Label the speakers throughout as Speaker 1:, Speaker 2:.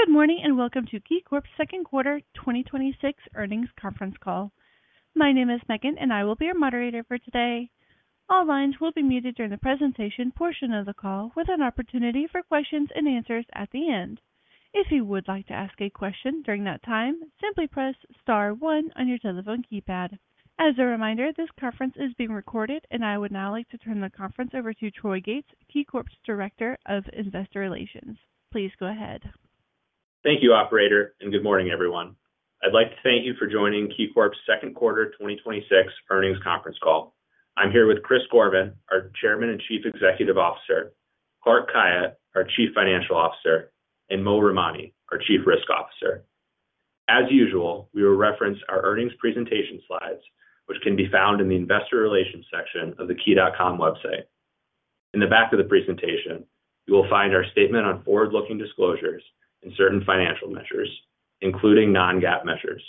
Speaker 1: Good morning. Welcome to KeyCorp's second quarter 2026 earnings conference call. My name is Megan, and I will be your moderator for today. All lines will be muted during the presentation portion of the call, with an opportunity for questions and answers at the end. If you would like to ask a question during that time, simply press star one on your telephone keypad. As a reminder, this conference is being recorded, and I would now like to turn the conference over to Troy Gates, KeyCorp's Director of Investor Relations. Please go ahead.
Speaker 2: Thank you, operator. Good morning, everyone. I'd like to thank you for joining KeyCorp's second quarter 2026 earnings conference call. I'm here with Chris Gorman, our Chairman and Chief Executive Officer, Clark Khayat, our Chief Financial Officer, and Mo Ramani, our Chief Risk Officer. As usual, we will reference our earnings presentation slides, which can be found in the investor relations section of the key.com website. In the back of the presentation, you will find our statement on forward-looking disclosures and certain financial measures, including non-GAAP measures.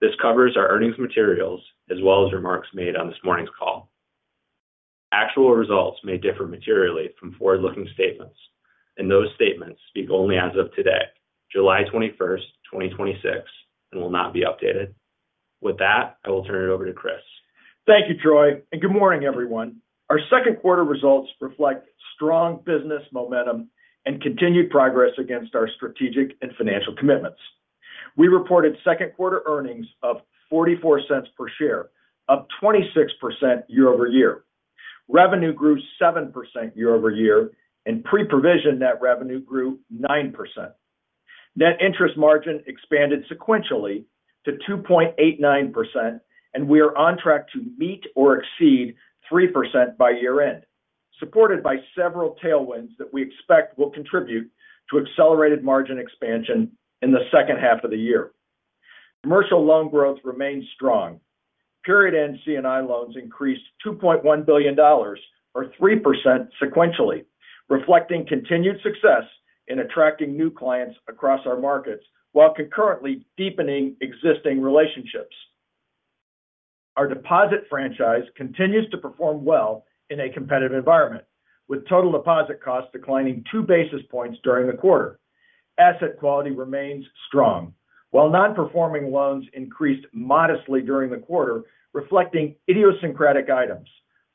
Speaker 2: This covers our earnings materials as well as remarks made on this morning's call. Actual results may differ materially from forward-looking statements. Those statements speak only as of today, July 21st, 2026, and will not be updated. With that, I will turn it over to Chris.
Speaker 3: Thank you, Troy. Good morning, everyone. Our second quarter results reflect strong business momentum and continued progress against our strategic and financial commitments. We reported second quarter earnings of $0.44 per share, up 26% year-over-year. Revenue grew 7% year-over-year. Pre-provision net revenue grew 9%. Net interest margin expanded sequentially to 2.89%. We are on track to meet or exceed 3% by year-end, supported by several tailwinds that we expect will contribute to accelerated margin expansion in the second half of the year. Commercial loan growth remains strong. Period-end C&I loans increased $2.1 billion, or 3% sequentially, reflecting continued success in attracting new clients across our markets while concurrently deepening existing relationships. Our deposit franchise continues to perform well in a competitive environment, with total deposit costs declining 2 basis points during the quarter. Asset quality remains strong. While non-performing loans increased modestly during the quarter, reflecting idiosyncratic items,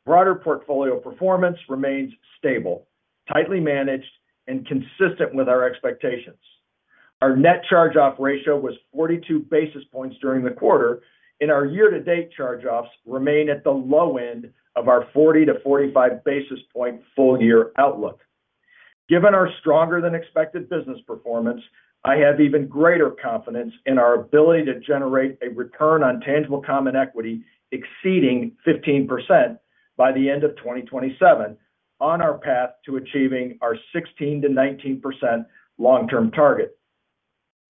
Speaker 3: broader portfolio performance remains stable, tightly managed, and consistent with our expectations. Our net charge-off ratio was 42 basis points during the quarter. Our year-to-date charge-offs remain at the low end of our 40-45 basis point full-year outlook. Given our stronger than expected business performance, I have even greater confidence in our ability to generate a return on tangible common equity exceeding 15% by the end of 2027 on our path to achieving our 16%-19% long-term target.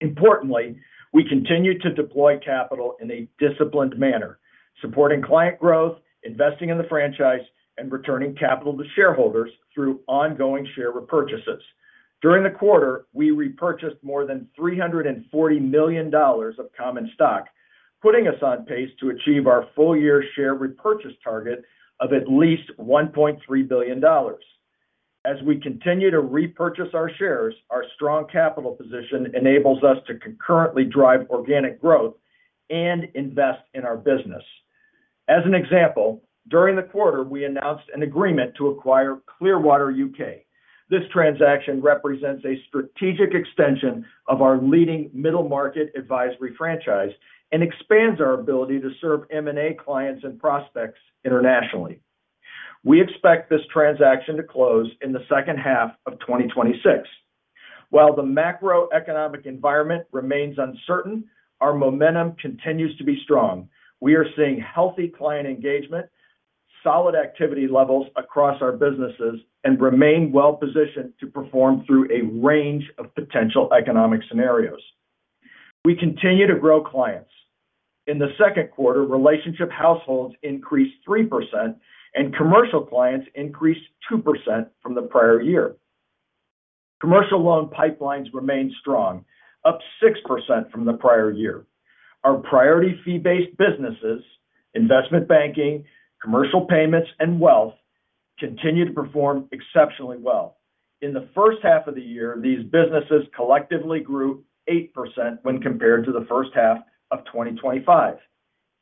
Speaker 3: Importantly, we continue to deploy capital in a disciplined manner, supporting client growth, investing in the franchise, and returning capital to shareholders through ongoing share repurchases. During the quarter, we repurchased more than $340 million of common stock, putting us on pace to achieve our full-year share repurchase target of at least $1.3 billion. As we continue to repurchase our shares, our strong capital position enables us to concurrently drive organic growth and invest in our business. As an example, during the quarter, we announced an agreement to acquire Clearwater U.K. This transaction represents a strategic extension of our leading middle-market advisory franchise and expands our ability to serve M&A clients and prospects internationally. We expect this transaction to close in the second half of 2026. While the macroeconomic environment remains uncertain, our momentum continues to be strong. We are seeing healthy client engagement, solid activity levels across our businesses, and remain well-positioned to perform through a range of potential economic scenarios. We continue to grow clients. In the second quarter, relationship households increased 3%, and commercial clients increased 2% from the prior year. Commercial loan pipelines remain strong, up 6% from the prior year. Our priority fee-based businesses, investment banking, commercial payments, and wealth continue to perform exceptionally well. In the first half of the year, these businesses collectively grew 8% when compared to the first half of 2025.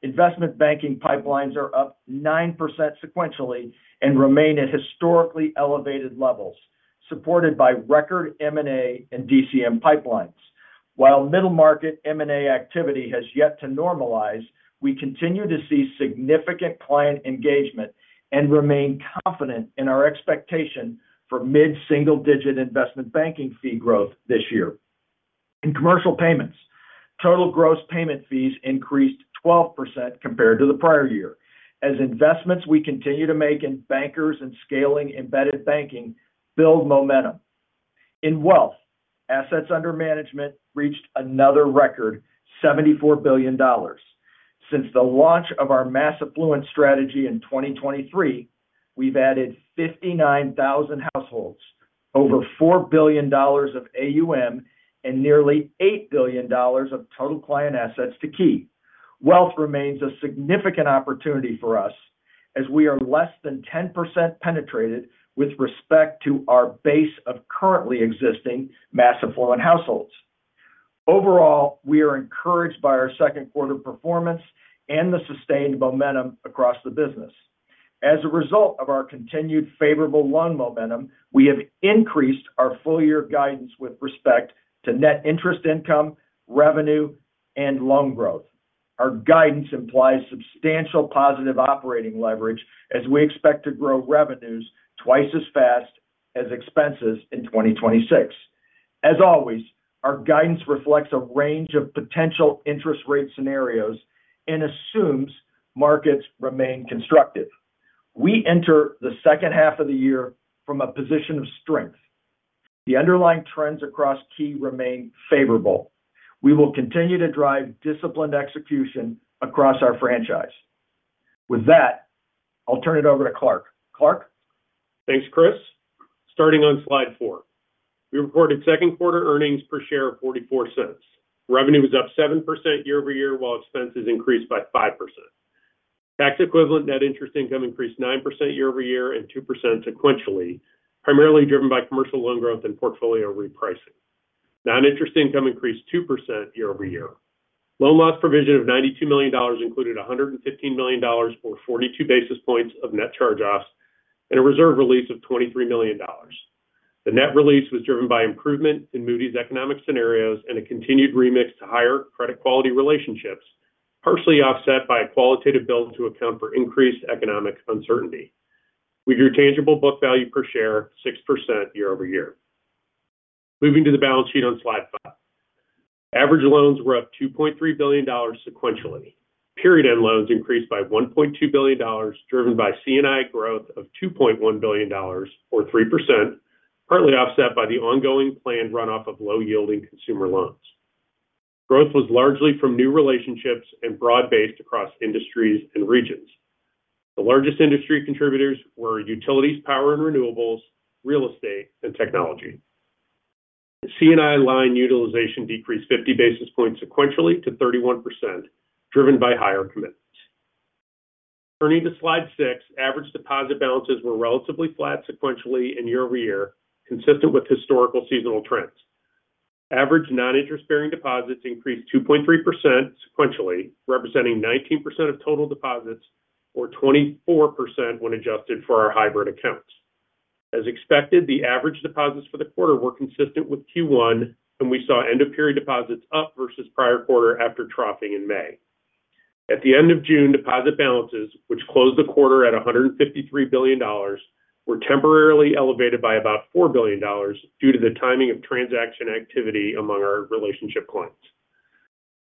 Speaker 3: Investment banking pipelines are up 9% sequentially and remain at historically elevated levels, supported by record M&A and DCM pipelines. While middle-market M&A activity has yet to normalize, we continue to see significant client engagement and remain confident in our expectation for mid-single-digit investment banking fee growth this year. In commercial payments, total gross payment fees increased 12% compared to the prior year as investments we continue to make in bankers and scaling embedded banking build momentum. In wealth, assets under management reached another record, $74 billion. Since the launch of our Mass Affluent strategy in 2023, we've added 59,000 households, over $4 billion of AUM, and nearly $8 billion of total client assets to Key. Wealth remains a significant opportunity for us as we are less than 10% penetrated with respect to our base of currently existing mass affluent households. Overall, we are encouraged by our second quarter performance and the sustained momentum across the business. As a result of our continued favorable loan momentum, we have increased our full year guidance with respect to net interest income, revenue, and loan growth. Our guidance implies substantial positive operating leverage as we expect to grow revenues twice as fast as expenses in 2026. As always, our guidance reflects a range of potential interest rate scenarios and assumes markets remain constructive. We enter the second half of the year from a position of strength. The underlying trends across Key remain favorable. We will continue to drive disciplined execution across our franchise. With that, I'll turn it over to Clark. Clark?
Speaker 4: Thanks, Chris. Starting on slide four. We reported second quarter earnings per share of $0.44. Revenue was up 7% year-over-year, while expenses increased by 5%. Tax equivalent net interest income increased 9% year-over-year and 2% sequentially, primarily driven by commercial loan growth and portfolio repricing. Non-interest income increased 2% year-over-year. Loan loss provision of $92 million included $115 million or 42 basis points of net charge-offs, and a reserve release of $23 million. The net release was driven by improvement in Moody's economic scenarios and a continued remix to higher credit quality relationships, partially offset by a qualitative build to account for increased economic uncertainty. We grew tangible book value per share 6% year-over-year. Moving to the balance sheet on slide five. Average loans were up $2.3 billion sequentially. Period end loans increased by $1.2 billion, driven by C&I growth of $2.1 billion or 3%, partly offset by the ongoing planned runoff of low yielding consumer loans. Growth was largely from new relationships and broad-based across industries and regions. The largest industry contributors were utilities, power and renewables, real estate and technology. The C&I line utilization decreased 50 basis points sequentially to 31%, driven by higher commitments. Turning to slide six. Average deposit balances were relatively flat sequentially and year-over-year, consistent with historical seasonal trends. Average non-interest bearing deposits increased 2.3% sequentially, representing 19% of total deposits or 24% when adjusted for our hybrid accounts. As expected, the average deposits for the quarter were consistent with Q1, and we saw end of period deposits up versus prior quarter after dropping in May. At the end of June, deposit balances, which closed the quarter at $153 billion, were temporarily elevated by about $4 billion due to the timing of transaction activity among our relationship clients.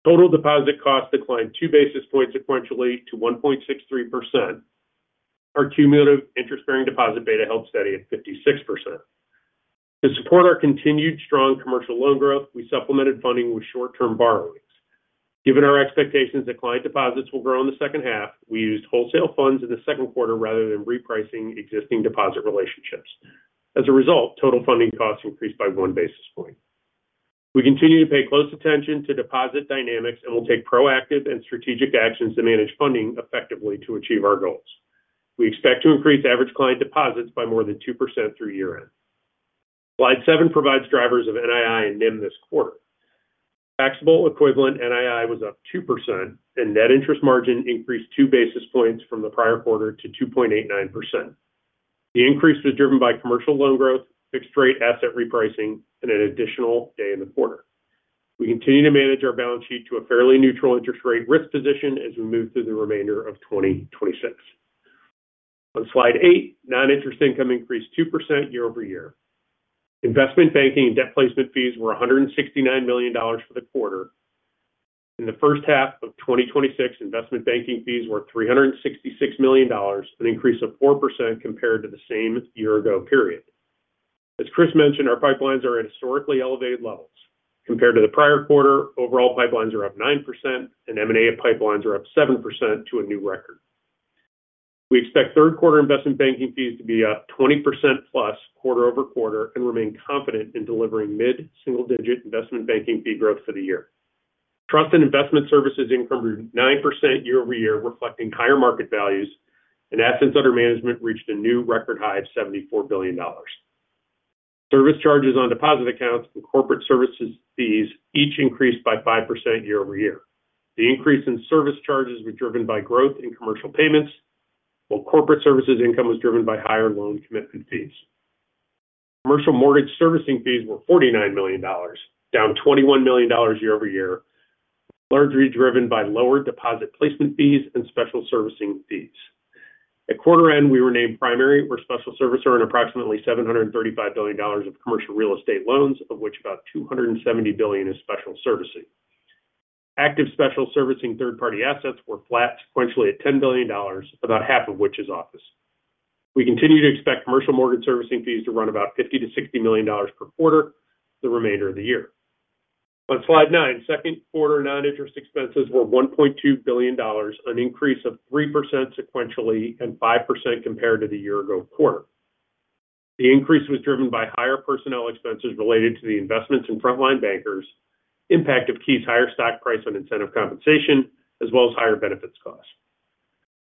Speaker 4: Total deposit costs declined 2 basis points sequentially to 1.63%. Our cumulative interest-bearing deposit beta held steady at 56%. To support our continued strong commercial loan growth, we supplemented funding with short-term borrowings. Given our expectations that client deposits will grow in the second half, we used wholesale funds in the second quarter rather than repricing existing deposit relationships. As a result, total funding costs increased by 1 basis point. We continue to pay close attention to deposit dynamics and will take proactive and strategic actions to manage funding effectively to achieve our goals. We expect to increase average client deposits by more than 2% through year-end. Slide seven provides drivers of NII and NIM this quarter. Taxable equivalent NII was up 2% and net interest margin increased 2 basis points from the prior quarter to 2.89%. The increase was driven by commercial loan growth, fixed rate asset repricing, and an additional day in the quarter. We continue to manage our balance sheet to a fairly neutral interest rate risk position as we move through the remainder of 2026. On slide eight, non-interest income increased 2% year-over-year. Investment banking and debt placement fees were $169 million for the quarter. In the first half of 2026, investment banking fees were $366 million, an increase of 4% compared to the same year-ago period. As Chris mentioned, our pipelines are at historically elevated levels. Compared to the prior quarter, overall pipelines are up 9% and M&A pipelines are up 7% to a new record. We expect third quarter investment banking fees to be up 20%+ quarter-over-quarter and remain confident in delivering mid-single-digit investment banking fee growth for the year. Trust and investment services income grew 9% year-over-year, reflecting higher market values and assets under management reached a new record high of $74 billion. Service charges on deposit accounts and corporate services fees each increased by 5% year-over-year. The increase in service charges were driven by growth in commercial payments, while corporate services income was driven by higher loan commitment fees. Commercial mortgage servicing fees were $49 million, down $21 million year-over-year, largely driven by lower deposit placement fees and special servicing fees. At quarter end, we were named primary or special servicer on approximately $735 billion of commercial real estate loans, of which about $270 billion is special servicing. Active special servicing third-party assets were flat sequentially at $10 billion, about half of which is office. We continue to expect commercial mortgage servicing fees to run about $50 million-$60 million per quarter the remainder of the year. On slide nine, second quarter non-interest expenses were $1.2 billion, an increase of 3% sequentially and 5% compared to the year ago quarter. The increase was driven by higher personnel expenses related to the investments in frontline bankers, impact of Key's higher stock price on incentive compensation, as well as higher benefits costs.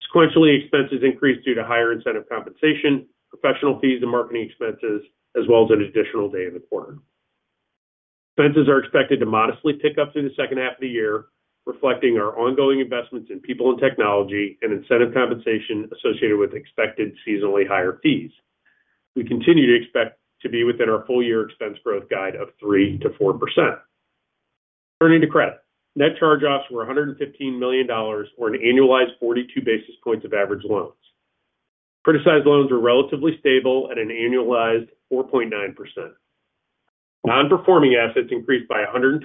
Speaker 4: Sequentially, expenses increased due to higher incentive compensation, professional fees, and marketing expenses, as well as an additional day in the quarter. Expenses are expected to modestly pick up through the second half of the year, reflecting our ongoing investments in people and technology and incentive compensation associated with expected seasonally higher fees. We continue to expect to be within our full-year expense growth guide of 3%-4%. Turning to credit. Net charge-offs were $115 million, or an annualized 42 basis points of average loans. Criticized loans were relatively stable at an annualized 4.9%. Non-performing assets increased by $126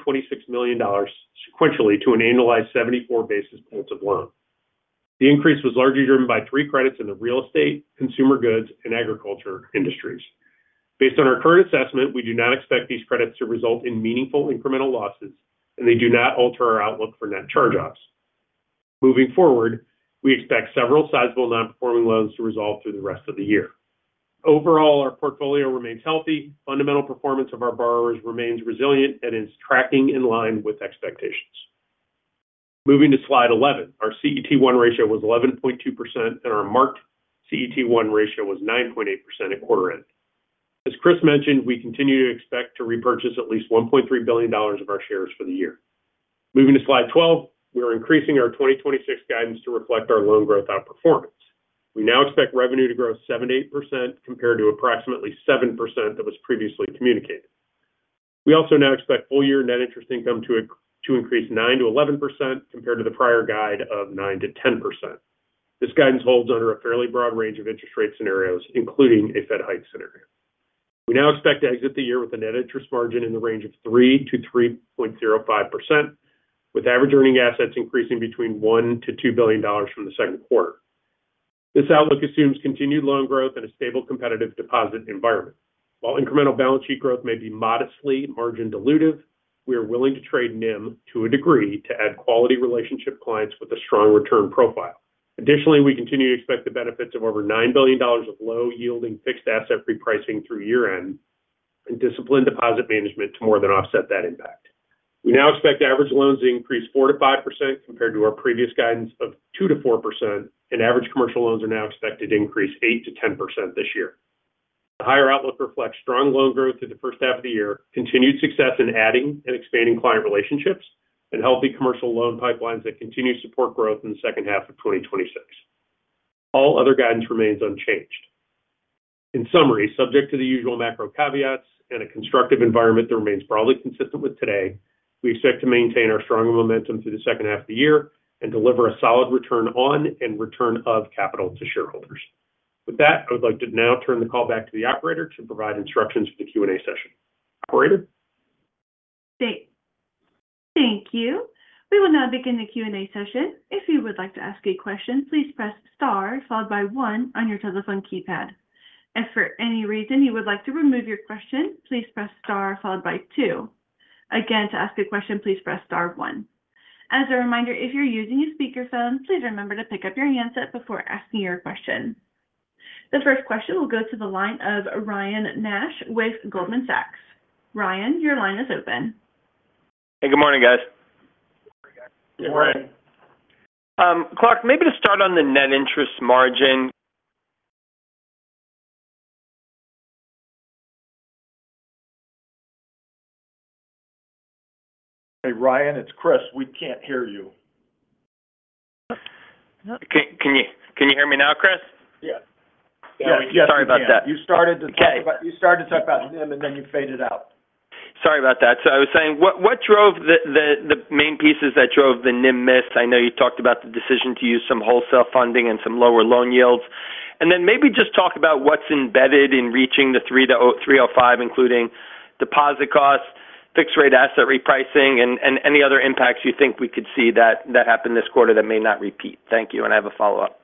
Speaker 4: million sequentially to an annualized 74 basis points of loans. The increase was largely driven by three credits in the real estate, consumer goods, and agriculture industries. Based on our current assessment, we do not expect these credits to result in meaningful incremental losses, and they do not alter our outlook for net charge-offs. Moving forward, we expect several sizable non-performing loans to resolve through the rest of the year. Overall, our portfolio remains healthy, fundamental performance of our borrowers remains resilient and is tracking in line with expectations. Moving to slide 11. Our CET1 ratio was 11.2% and our marked CET1 ratio was 9.8% at quarter end. As Chris mentioned, we continue to expect to repurchase at least $1.3 billion of our shares for the year. Moving to slide 12. We are increasing our 2026 guidance to reflect our loan growth outperformance. We now expect revenue to grow 7%-8%, compared to approximately 7% that was previously communicated. We also now expect full year net interest income to increase 9%-11%, compared to the prior guide of 9%-10%. This guidance holds under a fairly broad range of interest rate scenarios, including a Fed hike scenario. We now expect to exit the year with a net interest margin in the range of 3%-3.05%, with average earning assets increasing between $1 billion-$2 billion from the second quarter. This outlook assumes continued loan growth in a stable competitive deposit environment. While incremental balance sheet growth may be modestly margin dilutive, we are willing to trade NIM to a degree to add quality relationship clients with a strong return profile. Additionally, we continue to expect the benefits of over $9 billion of low-yielding fixed asset repricing through year-end and disciplined deposit management to more than offset that impact. We now expect average loans to increase 4%-5% compared to our previous guidance of 2%-4%, and average commercial loans are now expected to increase 8%-10% this year. The higher outlook reflects strong loan growth through the first half of the year, continued success in adding and expanding client relationships, and healthy commercial loan pipelines that continue to support growth in the second half of 2026. All other guidance remains unchanged. In summary, subject to the usual macro caveats and a constructive environment that remains broadly consistent with today, we expect to maintain our strong momentum through the second half of the year and deliver a solid return on and return of capital to shareholders. With that, I would like to now turn the call back to the operator to provide instructions for the Q&A session. Operator?
Speaker 1: Thank you. We will now begin the Q&A session. If you would like to ask a question, please press star followed by one on your telephone keypad. If for any reason you would like to remove your question, please press star followed by two. Again, to ask a question, please press star one. As a reminder, if you're using a speakerphone, please remember to pick up your handset before asking your question. The first question will go to the line of Ryan Nash with Goldman Sachs. Ryan, your line is open.
Speaker 5: Hey, good morning, guys.
Speaker 4: Good morning.
Speaker 5: Clark, maybe to start on the net interest margin.
Speaker 3: Hey, Ryan, it's Chris. We can't hear you.
Speaker 5: Can you hear me now, Chris?
Speaker 3: Yes.
Speaker 5: Sorry about that.
Speaker 3: You started to talk about NIM, then you faded out.
Speaker 5: Sorry about that. I was saying, what drove the, main pieces that drove the NIM miss? I know you talked about the decision to use some wholesale funding and some lower loan yields. Maybe just talk about what's embedded in reaching the 3%-3.05%, including deposit costs, fixed-rate asset repricing, and any other impacts you think we could see that happened this quarter that may not repeat. Thank you, and I have a follow-up.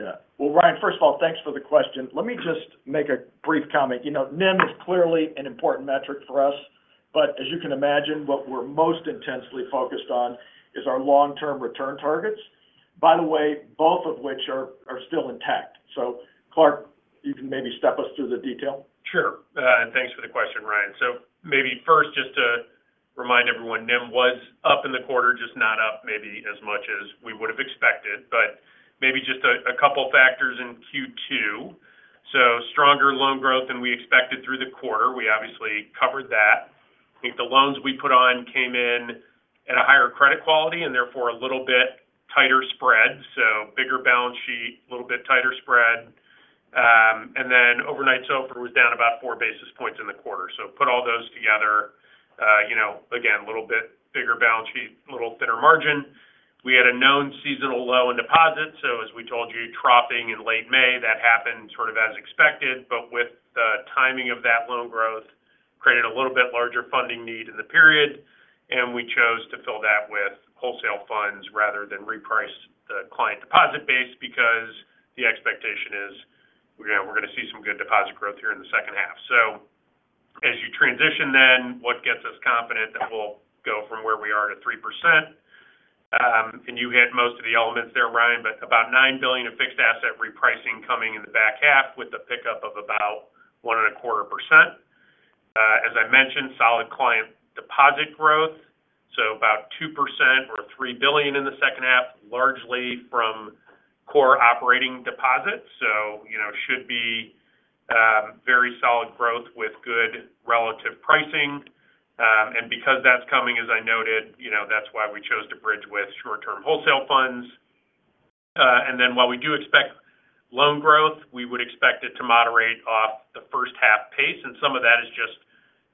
Speaker 3: Yeah. Ryan, first of all, thanks for the question. Let me just make a brief comment. NIM is clearly an important metric for us, but as you can imagine, what we're most intensely focused on is our long-term return targets, by the way, both of which are still intact. Clark, you can maybe step us through the detail?
Speaker 4: Sure. Thanks for the question, Ryan. Maybe first, just to remind everyone, NIM was up in the quarter, just not up maybe as much as we would have expected. Maybe just a couple of factors in Q2. Stronger loan growth than we expected through the quarter. We obviously covered that. I think the loans we put on came in at a higher credit quality and therefore a little bit tighter spread. Bigger balance sheet, a little bit tighter spread. Overnight SOFR was down about 4 basis points in the quarter. Put all those together. Again, a little bit bigger balance sheet, a little thinner margin. We had a known seasonal low in deposits. As we told you, dropping in late May, that happened sort of as expected. With the timing of that loan growth created a little bit larger funding need in the period, and we chose to fill that with wholesale funds rather than reprice the client deposit base because the expectation is we're going to see some good deposit growth here in the second half. As you transition then, what gets us confident that we'll go from where we are to 3%? You hit most of the elements there, Ryan, but about $9 billion of fixed asset repricing coming in the back half with a pickup of about 1.25%. As I mentioned, solid client deposit growth, about 2% or $3 billion in the second half, largely from core operating deposits. Should be very solid growth with good relative pricing. Because that's coming, as I noted, that's why we chose to bridge with short-term wholesale funds. While we do expect loan growth, we would expect it to moderate off the first half pace, and some of that is just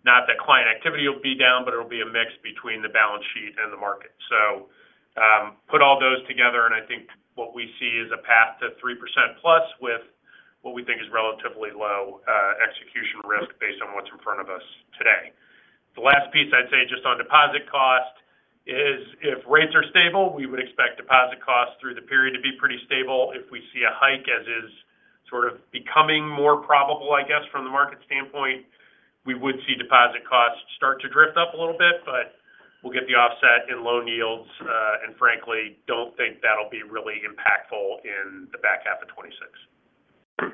Speaker 4: not that client activity will be down, but it'll be a mix between the balance sheet and the market. Put all those together, and I think what we see is a path to 3% plus with what we think is relatively low execution risk based on what's in front of us today. The last piece I'd say just on deposit cost is if rates are stable, we would expect deposit costs through the period to be pretty stable. If we see a hike as is sort of becoming more probable, I guess, from the market standpoint, we would see deposit costs start to drift up a little bit, but we'll get the offset in loan yields. Frankly, don't think that'll be really impactful in the back half of 2026.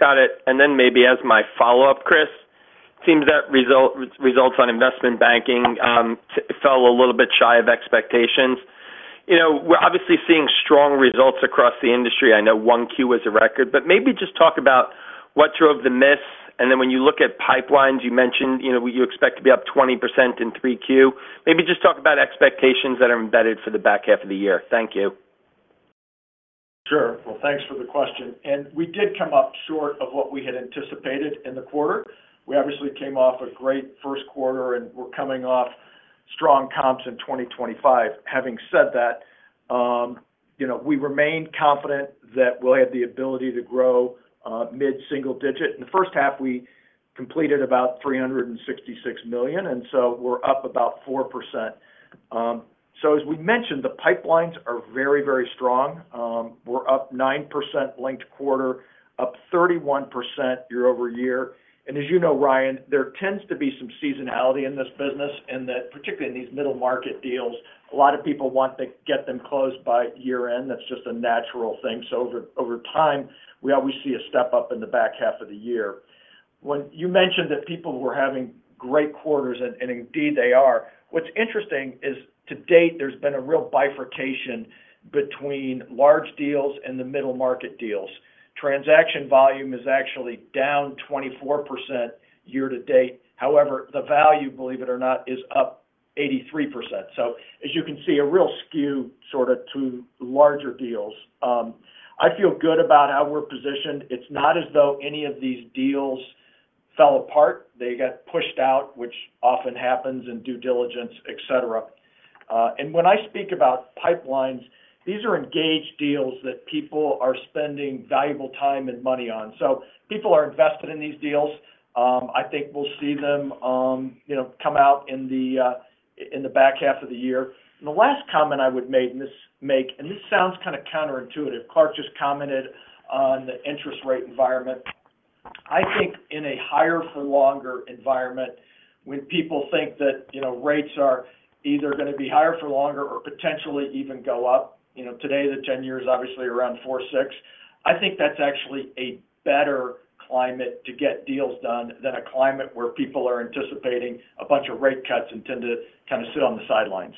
Speaker 5: Got it. Maybe as my follow-up, Chris, seems that results on investment banking fell a little bit shy of expectations. We're obviously seeing strong results across the industry. I know 1Q was a record, but maybe just talk about what drove the miss. When you look at pipelines, you mentioned you expect to be up 20% in 3Q. Maybe just talk about expectations that are embedded for the back half of the year. Thank you.
Speaker 3: Sure. Well, thanks for the question. We did come up short of what we had anticipated in the quarter. We obviously came off a great first quarter, and we're coming off strong comps in 2025. Having said that, we remain confident that we'll have the ability to grow mid-single-digit. In the first half, we completed about $366 million, and so we're up about 4%. As we mentioned, the pipelines are very, very strong. We're up 9% linked quarter, up 31% year-over-year. As you know, Ryan, there tends to be some seasonality in this business in that particularly in these middle-market deals, a lot of people want to get them closed by year-end. That's just a natural thing. Over time, we always see a step-up in the back half of the year. When you mentioned that people were having great quarters, and indeed they are, what's interesting is year-to-date, there's been a real bifurcation between large deals and the middle-market deals. Transaction volume is actually down 24% year-to-date. However, the value, believe it or not, is up 83%. As you can see, a real skew sort of to larger deals. I feel good about how we're positioned. It's not as though any of these deals fell apart. They got pushed out, which often happens in due diligence, et cetera. When I speak about pipelines, these are engaged deals that people are spending valuable time and money on. People are invested in these deals. I think we'll see them come out in the back half of the year. The last comment I would make, and this sounds kind of counterintuitive. Clark just commented on the interest rate environment. I think in a higher for longer environment, when people think that rates are either going to be higher for longer or potentially even go up, today the 10-year is obviously around 4.6. I think that's actually a better climate to get deals done than a climate where people are anticipating a bunch of rate cuts and tend to kind of sit on the sidelines.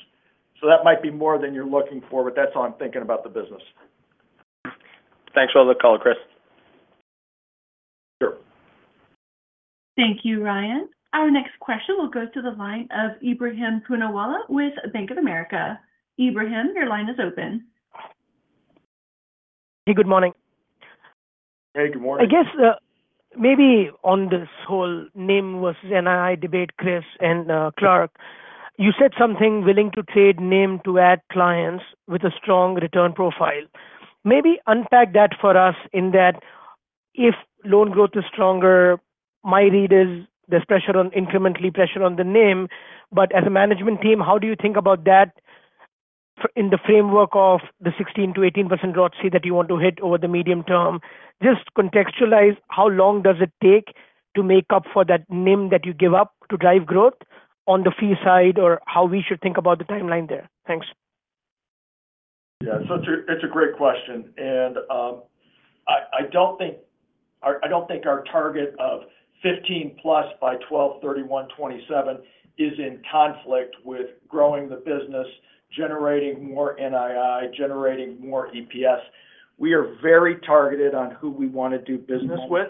Speaker 3: That might be more than you're looking for, but that's how I'm thinking about the business.
Speaker 5: Thanks for all the color, Chris.
Speaker 3: Sure.
Speaker 1: Thank you, Ryan. Our next question will go to the line of Ebrahim Poonawala with Bank of America. Ebrahim, your line is open.
Speaker 6: Hey, good morning.
Speaker 3: Hey, good morning.
Speaker 6: I guess maybe on this whole NIM versus NII debate, Chris and Clark, you said something, willing to trade NIM to add clients with a strong return profile. Maybe unpack that for us in that if loan growth is stronger, my read is there's pressure on, incrementally pressure on the NIM. As a management team, how do you think about that in the framework of the 16%-18% growth, say that you want to hit over the medium term? Just contextualize how long does it take to make up for that NIM that you give up to drive growth on the fee side or how we should think about the timeline there? Thanks.
Speaker 3: It's a great question. I don't think our target of 15+ by 12/31/2027 is in conflict with growing the business, generating more NII, generating more EPS. We are very targeted on who we want to do business with,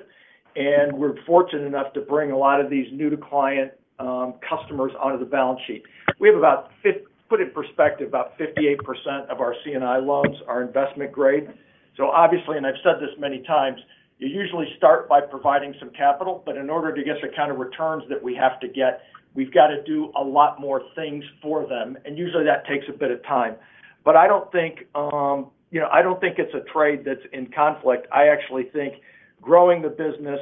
Speaker 3: and we're fortunate enough to bring a lot of these new to client customers onto the balance sheet. To put it in perspective, about 58% of our C&I loans are investment grade. Obviously, and I've said this many times, you usually start by providing some capital, but in order to get the kind of returns that we have to get, we've got to do a lot more things for them. Usually that takes a bit of time. I don't think it's a trade that's in conflict. I actually think growing the business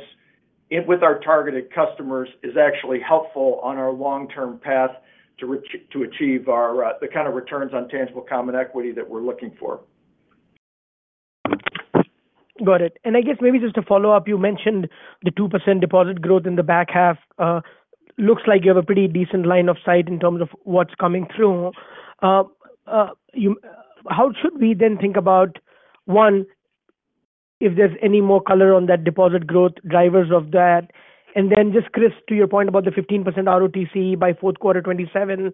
Speaker 3: with our targeted customers is actually helpful on our long-term path to achieve the kind of returns on tangible common equity that we're looking for.
Speaker 6: Got it. I guess maybe just to follow up, you mentioned the 2% deposit growth in the back half. Looks like you have a pretty decent line of sight in terms of what's coming through. How should we then think about, one, if there's any more color on that deposit growth, drivers of that. Then just, Chris, to your point about the 15% ROTCE by fourth quarter 2027,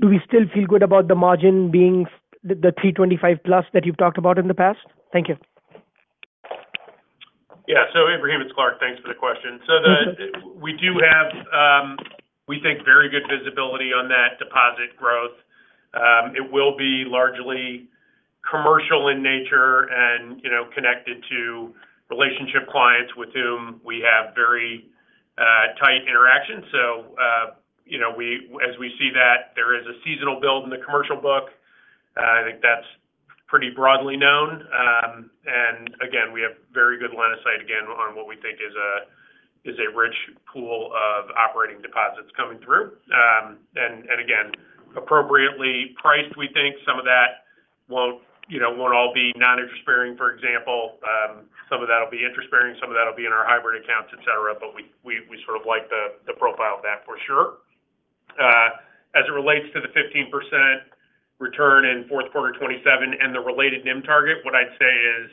Speaker 6: do we still feel good about the margin being the 3.25+ that you've talked about in the past? Thank you.
Speaker 4: Yeah. Ebrahim, it's Clark. Thanks for the question. We do have, we think very good visibility on that deposit growth. It will be largely commercial in nature and connected to relationship clients with whom we have very tight interactions. As we see that there is a seasonal build in the commercial book, I think that's pretty broadly known. Again, we have very good line of sight again on what we think is a rich pool of operating deposits coming through. Again, appropriately priced, we think some of that won't all be non-interest-bearing, for example. Some of that'll be interest-bearing, some of that'll be in our hybrid accounts, et cetera. We sort of like the profile of that for sure. As it relates to the 15% return in fourth quarter 2027 and the related NIM target, what I'd say is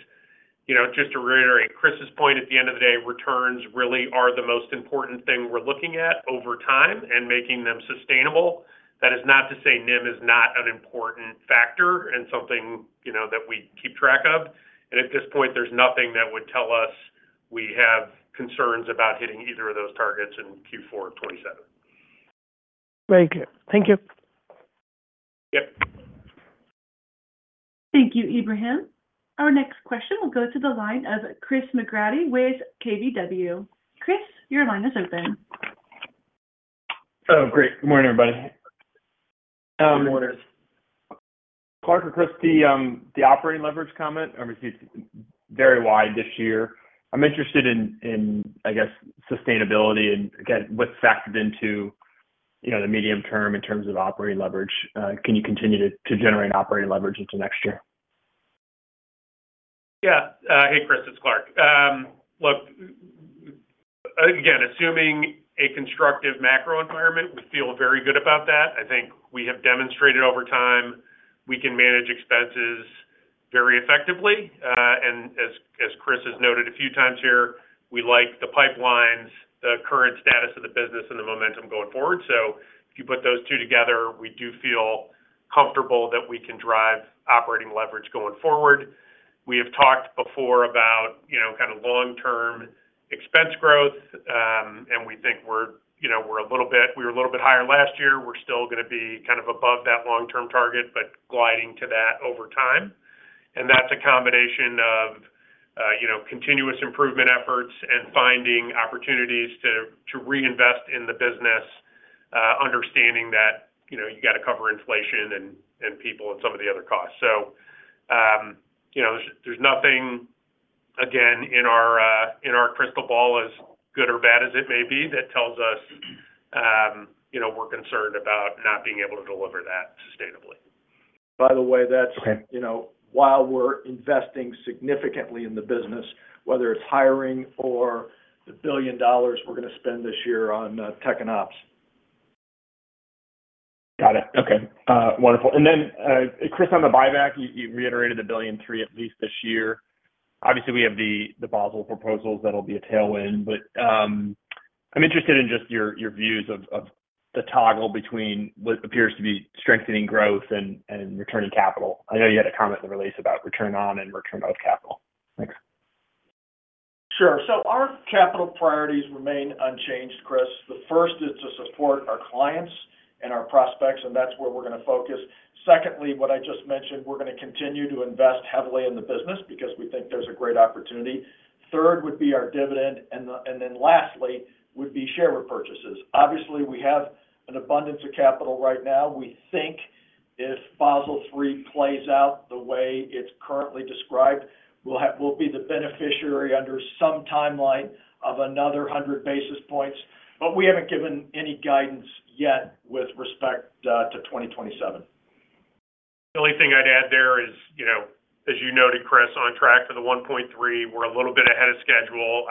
Speaker 4: just to reiterate Chris's point, at the end of the day, returns really are the most important thing we're looking at over time and making them sustainable. That is not to say NIM is not an important factor and something that we keep track of. At this point, there's nothing that would tell us we have concerns about hitting either of those targets in Q4 of 2027.
Speaker 6: Very clear. Thank you.
Speaker 4: Yep.
Speaker 1: Thank you, Ebrahim. Our next question will go to the line of Chris McGratty with KBW. Chris, your line is open.
Speaker 7: Oh, great. Good morning, everybody.
Speaker 4: Good morning.
Speaker 7: Clark or Chris, the operating leverage comment, obviously it's very wide this year. I'm interested in, I guess, sustainability and, again, what's factored into the medium term in terms of operating leverage. Can you continue to generate operating leverage into next year?
Speaker 4: Yeah. Hey, Chris, it's Clark. Look, again, assuming a constructive macro environment, we feel very good about that. I think we have demonstrated over time we can manage expenses very effectively. As Chris has noted a few times here, we like the pipelines, the current status of the business, and the momentum going forward. If you put those two together, we do feel comfortable that we can drive operating leverage going forward. We have talked before about kind of long-term expense growth. We think we were a little bit higher last year. We're still going to be kind of above that long-term target, but gliding to that over time. That's a combination of continuous improvement efforts and finding opportunities to reinvest in the business, understanding that you got to cover inflation and people and some of the other costs. There's nothing, again, in our crystal ball, as good or bad as it may be, that tells us we're concerned about not being able to deliver that sustainably.
Speaker 3: By the way, that's-
Speaker 7: Okay.
Speaker 3: while we're investing significantly in the business, whether it's hiring or the $1 billion we're going to spend this year on tech and ops.
Speaker 7: Got it. Okay. Wonderful. Then, Chris, on the buyback, you reiterated the $1.3 billion at least this year. Obviously, we have the Basel proposals that'll be a tailwind, but I'm interested in just your views of the toggle between what appears to be strengthening growth and returning capital. I know you had a comment in the release about return on and return of capital. Thanks.
Speaker 3: Sure. Our capital priorities remain unchanged, Chris. The first is to support our clients and our prospects. That's where we're going to focus. Secondly, what I just mentioned, we're going to continue to invest heavily in the business because we think there's a great opportunity. Third would be our dividend. Lastly would be share repurchases. Obviously, we have an abundance of capital right now. We think if Basel III plays out the way it's currently described, we'll be the beneficiary under some timeline of another 100 basis points. We haven't given any guidance yet with respect to 2027.
Speaker 4: The only thing I'd add there is, as you noted, Chris, on track for the $1.3 billion, we're a little bit ahead of schedule.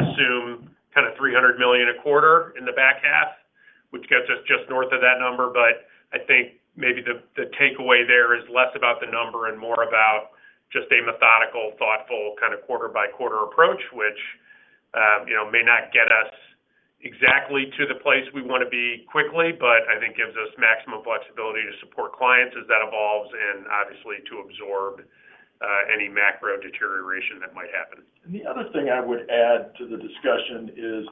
Speaker 4: I would just sort of assume kind of $300 million a quarter in the back half, which gets us just north of that number. I think maybe the takeaway there is less about the number and more about just a methodical, thoughtful kind of quarter-by-quarter approach, which may not get us exactly to the place we want to be quickly, but I think gives us maximum flexibility to support clients as that evolves and obviously to absorb any macro deterioration that might happen.
Speaker 3: The other thing I would add to the discussion is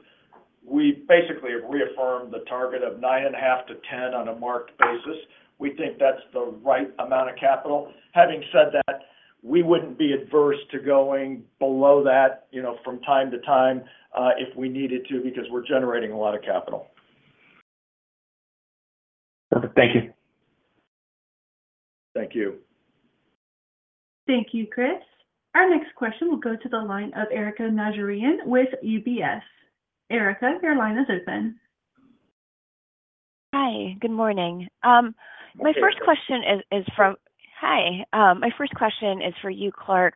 Speaker 3: we basically have reaffirmed the target of 9.5-10 on a marked basis. We think that's the right amount of capital. Having said that, we wouldn't be adverse to going below that from time to time if we needed to because we're generating a lot of capital.
Speaker 7: Thank you.
Speaker 3: Thank you.
Speaker 1: Thank you, Chris. Our next question will go to the line of Erika Najarian with UBS. Erika, your line is open.
Speaker 8: Hi, good morning.
Speaker 4: Hi, Erika.
Speaker 8: Hi. My first question is for you, Clark.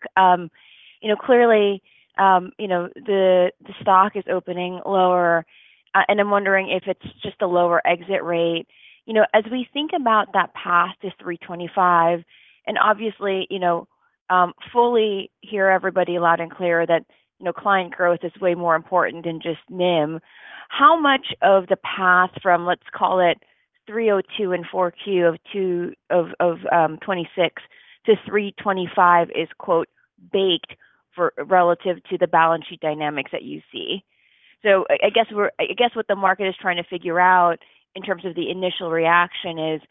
Speaker 8: Clearly, the stock is opening lower, and I'm wondering if it's just a lower exit rate. As we think about that path to 3.25, and obviously, fully hear everybody loud and clear that client growth is way more important than just NIM. How much of the path from, let's call it 3.02 in 4Q of 2026 to 3.25 is "baked" relative to the balance sheet dynamics that you see? I guess what the market is trying to figure out in terms of the initial reaction is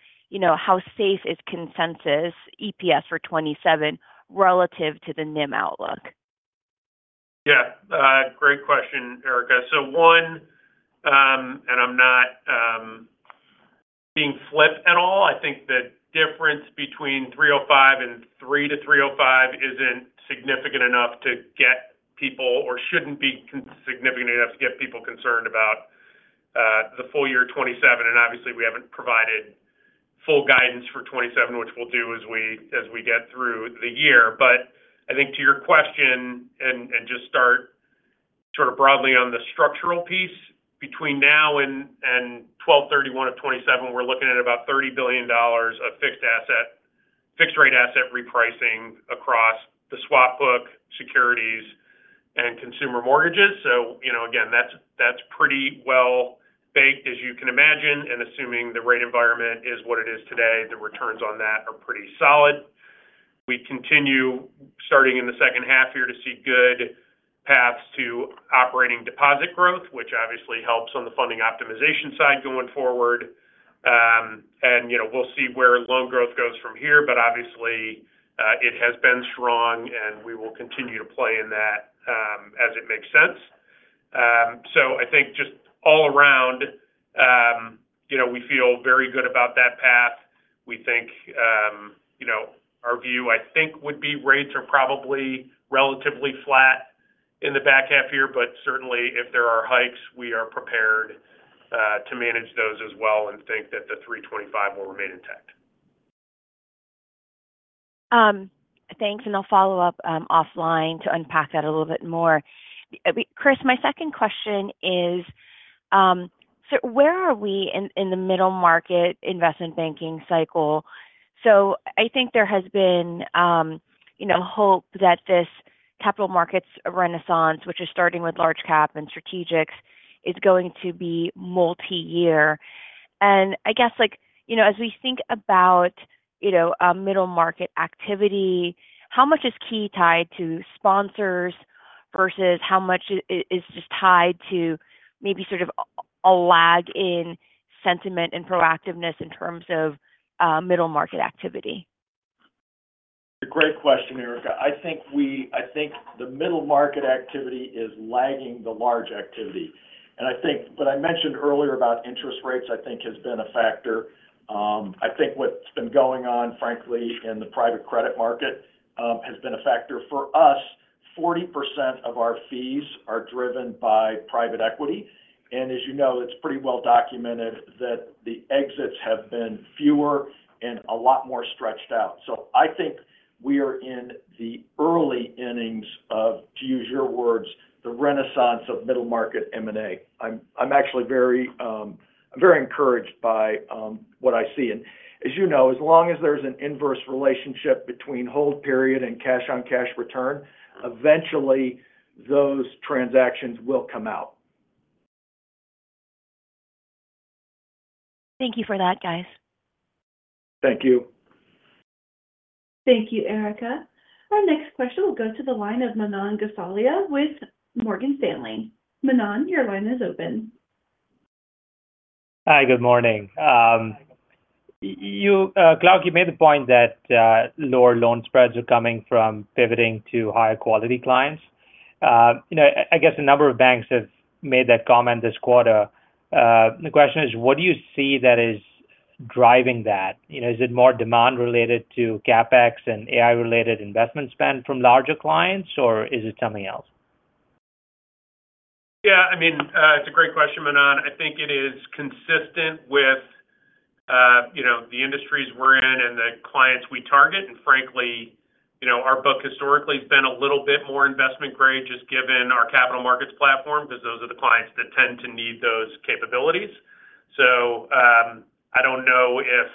Speaker 8: how safe is consensus EPS for 2027 relative to the NIM outlook?
Speaker 4: Yeah. Great question, Erika. One, and I'm not being flip at all, I think the difference between 3.05 and 3-3.05 isn't significant enough to get people, or shouldn't be significant enough to get people concerned about the full year 2027. Obviously we haven't provided full guidance for 2027, which we'll do as we get through the year. I think to your question, and just start sort of broadly on the structural piece, between now and 12/31 of 2027, we're looking at about $30 billion of fixed rate asset repricing across the swap book, securities, and consumer mortgages. Again, that's pretty well baked as you can imagine. Assuming the rate environment is what it is today, the returns on that are pretty solid. We continue starting in the second half here to see good paths to operating deposit growth, which obviously helps on the funding optimization side going forward. We'll see where loan growth goes from here, but obviously, it has been strong and we will continue to play in that as it makes sense. I think just all around, we feel very good about that path. Our view, I think, would be rates are probably relatively flat in the back half year but certainly if there are hikes, we are prepared to manage those as well and think that the 3.25 will remain intact.
Speaker 8: Thanks. I'll follow up offline to unpack that a little bit more. Chris, my second question is where are we in the middle market investment banking cycle? I think there has been hope that this capital markets renaissance, which is starting with large cap and strategics, is going to be multi-year. I guess as we think about middle market activity, how much is Key tied to sponsors versus how much is just tied to maybe sort of a lag in sentiment and proactiveness in terms of middle market activity?
Speaker 3: A great question, Erika. I think the middle market activity is lagging the large activity. I think what I mentioned earlier about interest rates I think has been a factor. I think what's been going on, frankly, in the private credit market has been a factor. For us, 40% of our fees are driven by private equity. As you know, it's pretty well-documented that the exits have been fewer and a lot more stretched out. So I think we are in the early innings of, to use your words, the renaissance of middle market M&A. I'm very encouraged by what I see. As you know, as long as there's an inverse relationship between hold period and cash-on-cash return, eventually those transactions will come out.
Speaker 8: Thank you for that, guys.
Speaker 4: Thank you.
Speaker 1: Thank you, Erika. Our next question will go to the line of Manan Gosalia with Morgan Stanley. Manan, your line is open.
Speaker 9: Hi, good morning. Clark, you made the point that lower loan spreads are coming from pivoting to higher quality clients. I guess a number of banks have made that comment this quarter. The question is, what do you see that is driving that? Is it more demand related to CapEx and AI related investment spend from larger clients, or is it something else?
Speaker 4: Yeah, it's a great question, Manan. I think it is consistent with the industries we're in and the clients we target. Frankly, our book historically has been a little bit more investment grade just given our capital markets platform because those are the clients that tend to need those capabilities. I don't know if,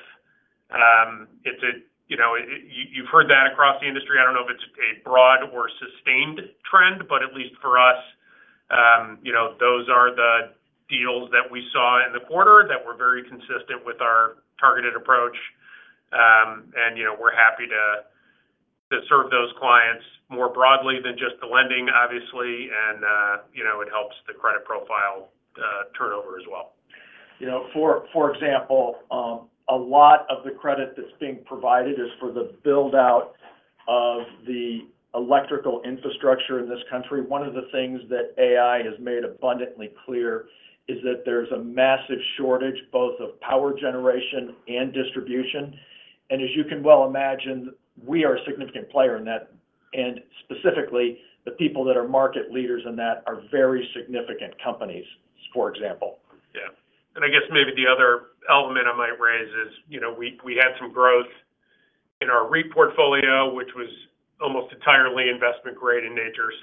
Speaker 4: you've heard that across the industry, I don't know if it's a broad or sustained trend, but at least for us, those are the deals that we saw in the quarter that were very consistent with our targeted approach. We're happy to serve those clients more broadly than just the lending, obviously. It helps the credit profile turnover as well.
Speaker 3: For example, a lot of the credit that's being provided is for the build-out of the electrical infrastructure in this country. One of the things that AI has made abundantly clear is that there's a massive shortage both of power generation and distribution. As you can well imagine, we are a significant player in that. Specifically, the people that are market leaders in that are very significant companies, for example.
Speaker 4: Yeah. I guess maybe the other element I might raise is we had some growth in our REIT portfolio, which was almost entirely investment-grade in nature.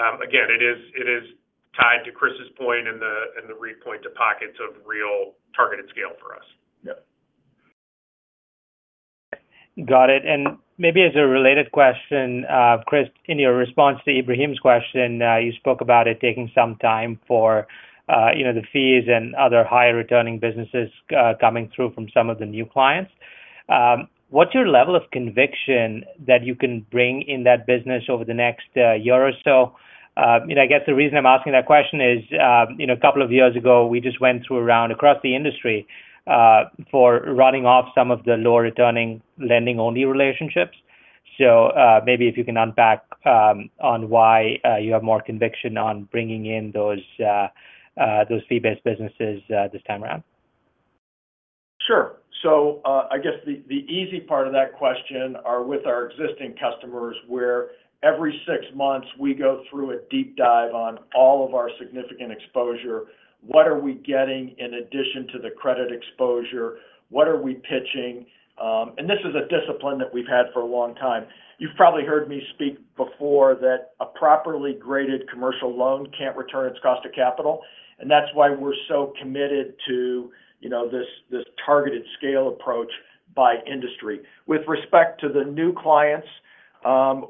Speaker 4: Again, it is tied to Chris's point and the REIT point to pockets of real targeted scale for us.
Speaker 3: Yeah.
Speaker 9: Got it. Maybe as a related question, Chris, in your response to Ebrahim's question, you spoke about it taking some time for the fees and other higher returning businesses coming through from some of the new clients. What's your level of conviction that you can bring in that business over the next year or so? I guess the reason I'm asking that question is, a couple of years ago, we just went through a round across the industry for writing off some of the lower returning lending-only relationships. Maybe if you can unpack on why you have more conviction on bringing in those fee-based businesses this time around.
Speaker 3: Sure. I guess the easy part of that question are with our existing customers, where every six months we go through a deep dive on all of our significant exposure. What are we getting in addition to the credit exposure? What are we pitching? This is a discipline that we've had for a long time. You've probably heard me speak before that a properly graded commercial loan can't return its cost to capital. That's why we're so committed to this targeted scale approach by industry. With respect to the new clients,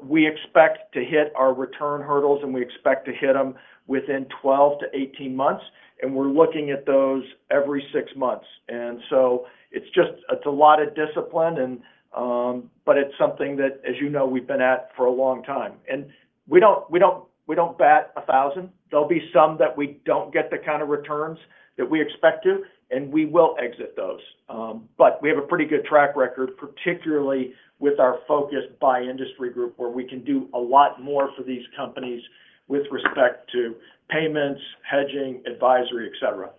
Speaker 3: we expect to hit our return hurdles, and we expect to hit them within 12-18 months. We're looking at those every six months. It's a lot of discipline but it's something that, as you know, we've been at for a long time. We don't bat 1,000. There'll be some that we don't get the kind of returns that we expect to, and we will exit those. We have a pretty good track record, particularly with our focus by industry group, where we can do a lot more for these companies with respect to payments, hedging, advisory, et cetera.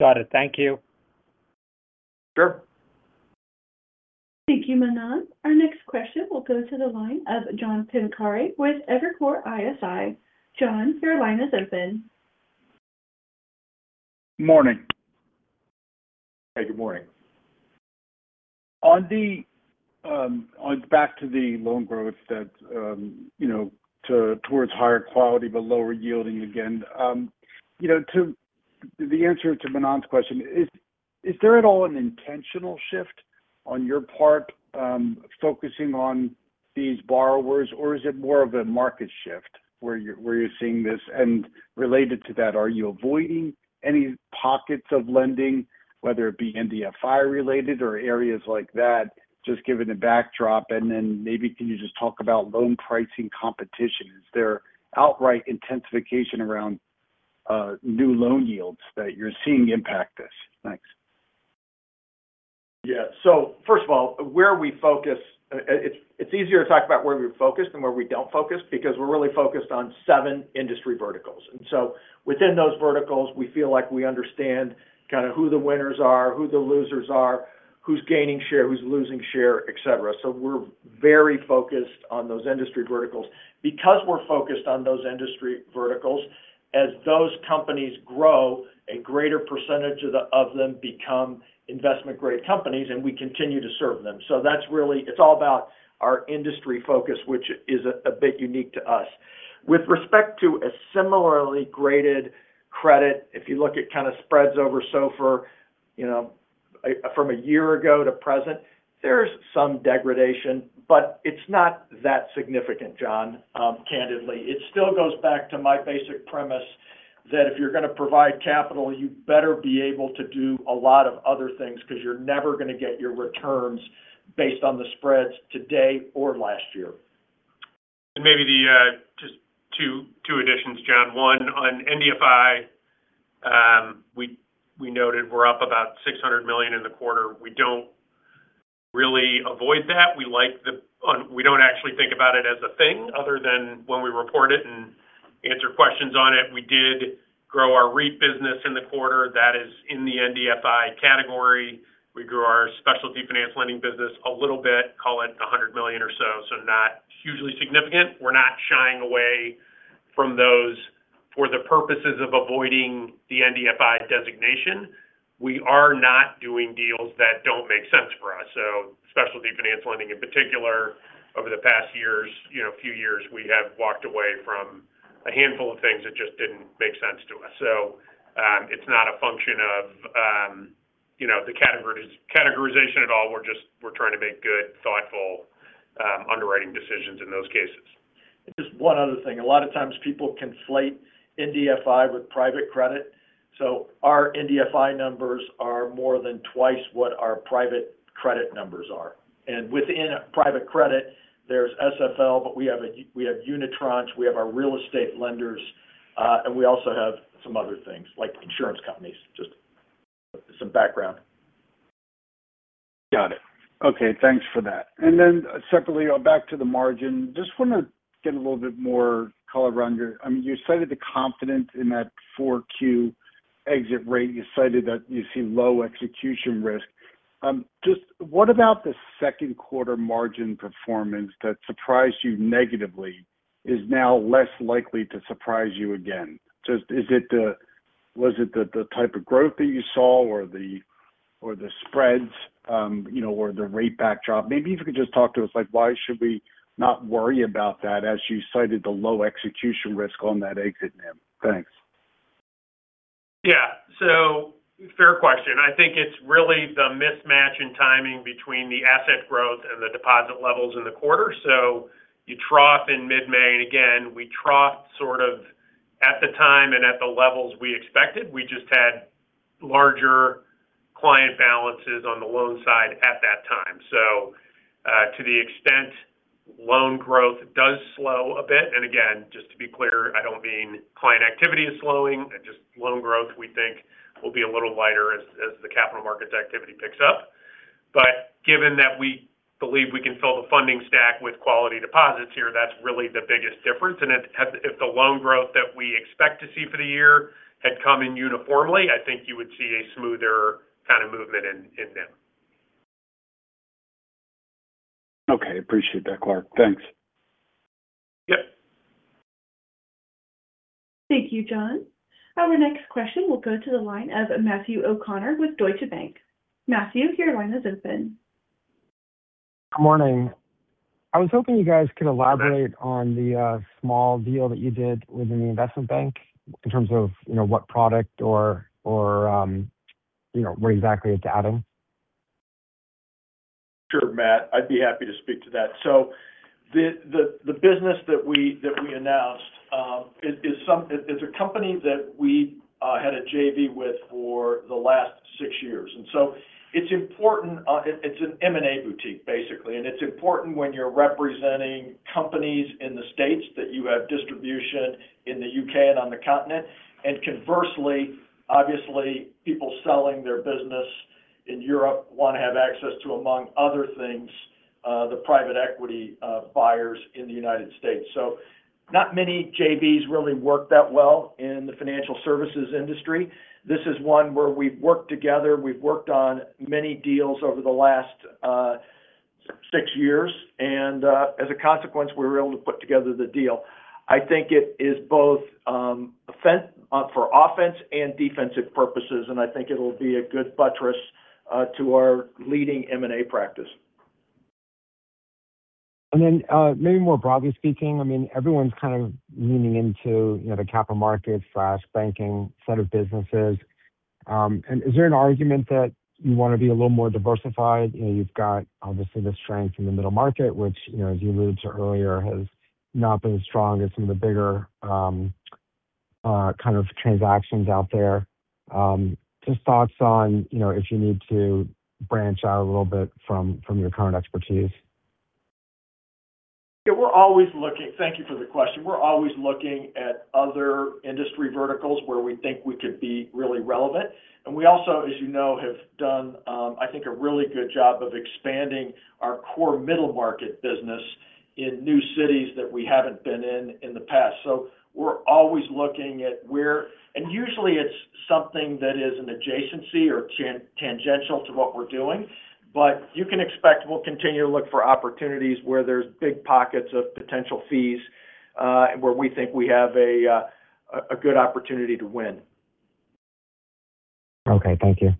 Speaker 9: Got it. Thank you.
Speaker 3: Sure.
Speaker 1: Thank you, Manan. Our next question will go to the line of John Pancari with Evercore ISI. John, your line is open.
Speaker 10: Morning.
Speaker 3: Hey, good morning.
Speaker 10: Back to the loan growth that towards higher quality but lower yielding again. The answer to Manan's question is there at all an intentional shift on your part, focusing on these borrowers? Or is it more of a market shift where you're seeing this? Related to that, are you avoiding any pockets of lending, whether it be MDFI related or areas like that? Just given the backdrop, then maybe can you just talk about loan pricing competition? Is there outright intensification around new loan yields that you're seeing impact this? Thanks.
Speaker 3: Yeah. First of all, where we focus-- it's easier to talk about where we're focused and where we don't focus because we're really focused on seven industry verticals. Within those verticals, we feel like we understand kind of who the winners are, who the losers are, who's gaining share, who's losing share, et cetera. We're very focused on those industry verticals. Because we're focused on those industry verticals, as those companies grow, a greater percentage of them become investment-grade companies, and we continue to serve them. It's all about our industry focus, which is a bit unique to us. With respect to a similarly graded credit, if you look at kind of spreads over SOFR from a year ago to present, there's some degradation, but it's not that significant, John, candidly. It still goes back to my basic premise that if you're going to provide capital, you better be able to do a lot of other things because you're never going to get your returns based on the spreads today or last year.
Speaker 4: Maybe just two additions, John. One, on MDFI, we noted we're up about $600 million in the quarter. We don't really avoid that. We don't actually think about it as a thing other than when we report it and answer questions on it. We did grow our REIT business in the quarter. That is in the MDFI category. We grew our specialty finance lending business a little bit, call it $100 million or so. Not hugely significant. We're not shying away from those for the purposes of avoiding the MDFI designation. We are not doing deals that don't make sense for us. Specialty finance lending in particular over the past few years, we have walked away from a handful of things that just didn't make sense to us. It's not a function of the categorization at all. We're trying to make good, thoughtful underwriting decisions in those cases.
Speaker 3: Just one other thing. A lot of times people conflate MDFI with private credit. Our MDFI numbers are more than twice what our private credit numbers are. Within private credit, there's SFL, but we have Unitranche, we have our real estate lenders, and we also have some other things like insurance companies. Just some background.
Speaker 10: Got it. Okay. Thanks for that. Separately, back to the margin. I just want to get a little bit more color. You cited the confidence in that 4Q exit rate, you cited that you see low execution risk. What about the second quarter margin performance that surprised you negatively is now less likely to surprise you again? Was it the type of growth that you saw or the spreads or the rate backdrop? If you could just talk to us like, why should we not worry about that as you cited the low execution risk on that exit NIM? Thanks.
Speaker 4: Yeah. Fair question. I think it's really the mismatch in timing between the asset growth and the deposit levels in the quarter. You trough in mid-May, and again, we troughed sort of at the time and at the levels we expected. We just had larger client balances on the loan side at that time. To the extent loan growth does slow a bit, and again, just to be clear, I don't mean client activity is slowing, just loan growth we think will be a little lighter as the capital markets activity picks up. Given that we believe we can fill the funding stack with quality deposits here, that's really the biggest difference. If the loan growth that we expect to see for the year had come in uniformly, I think you would see a smoother kind of movement in NIM.
Speaker 10: Okay. Appreciate that, Clark. Thanks.
Speaker 4: Yep.
Speaker 1: Thank you, John. Our next question will go to the line of Matthew O'Connor with Deutsche Bank. Matthew, your line is open.
Speaker 11: Good morning. I was hoping you guys could elaborate on the small deal that you did within the investment bank in terms of what product or where exactly it's adding.
Speaker 3: Sure, Matt. I'd be happy to speak to that. The business that we announced is a company that we had a JV with for the last six years. It's an M&A boutique, basically, and it's important when you're representing companies in the States that you have distribution in the U.K. and on the continent. Conversely, obviously, people selling their business in Europe want to have access to, among other things, the private equity buyers in the United States. Not many JVs really work that well in the financial services industry. This is one where we've worked together, we've worked on many deals over the last six years, and, as a consequence, we were able to put together the deal. I think it is both for offense and defensive purposes, and I think it'll be a good buttress to our leading M&A practice.
Speaker 11: Maybe more broadly speaking, everyone's kind of leaning into the capital markets/banking set of businesses. Is there an argument that you want to be a little more diversified? You've got, obviously, the strength in the middle market, which as you alluded to earlier, has not been as strong as some of the bigger kind of transactions out there. Just thoughts on if you need to branch out a little bit from your current expertise.
Speaker 3: Thank you for the question. We're always looking at other industry verticals where we think we could be really relevant. We also, as you know, have done I think a really good job of expanding our core middle market business in new cities that we haven't been in in the past. We're always looking at. Usually it's something that is an adjacency or tangential to what we're doing. You can expect we'll continue to look for opportunities where there's big pockets of potential fees, where we think we have a good opportunity to win.
Speaker 11: Okay. Thank you.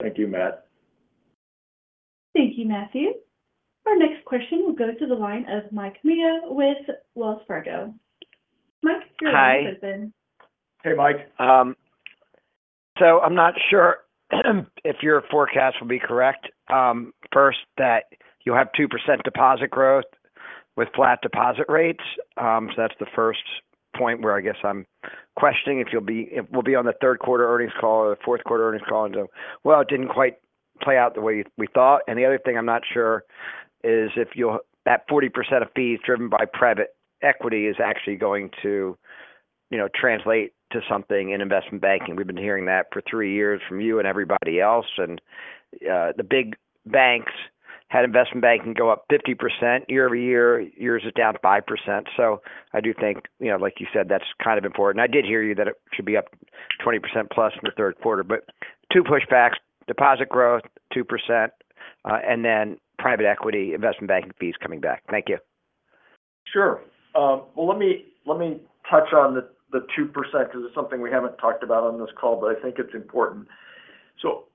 Speaker 3: Thank you, Matt.
Speaker 1: Thank you, Matthew. Our next question will go to the line of Mike Mayo with Wells Fargo. Mike, your line is open.
Speaker 12: Hey.
Speaker 3: Hey, Mike.
Speaker 12: I'm not sure if your forecast will be correct. First, that you have 2% deposit growth with flat deposit rates. That's the first point where I guess I'm questioning if we'll be on the third quarter earnings call or the fourth quarter earnings call and go, "Well, it didn't quite play out the way we thought." The other thing I'm not sure is if that 40% of fees driven by private equity is actually going to translate to something in investment banking. We've been hearing that for three years from you and everybody else. The big banks had investment banking go up 50% year-over-year. Yours is down 5%. I do think, like you said, that's kind of important. I did hear you that it should be up 20%+ in the third quarter, two pushbacks, deposit growth 2% and then private equity investment banking fees coming back. Thank you.
Speaker 3: Sure. Well, let me touch on the 2% because it's something we haven't talked about on this call, I think it's important.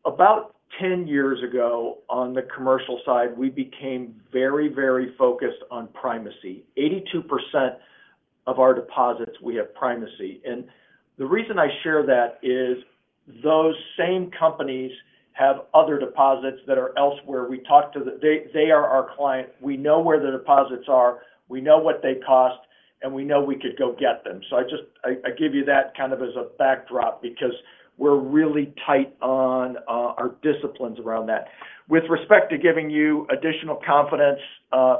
Speaker 3: About 10 years ago on the commercial side, we became very, very focused on primacy. 82% of our deposits we have primacy. The reason I share that is those same companies have other deposits that are elsewhere. They are our client. We know where the deposits are, we know what they cost, and we know we could go get them. I give you that kind of as a backdrop because we're really tight on our disciplines around that. With respect to giving you additional confidence,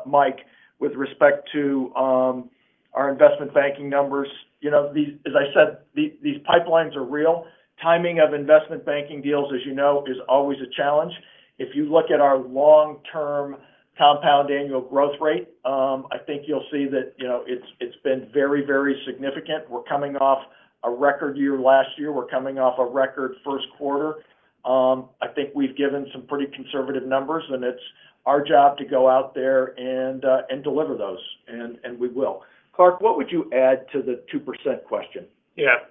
Speaker 3: Mike, with respect to our investment banking numbers, as I said, these pipelines are real. Timing of investment banking deals, as you know, is always a challenge. If you look at our long-term compound annual growth rate, I think you'll see that it's been very, very significant. We're coming off a record year last year. We're coming off a record first quarter. I think we've given some pretty conservative numbers, and it's our job to go out there and deliver those. We will. Clark, what would you add to the 2% question?
Speaker 4: Yeah.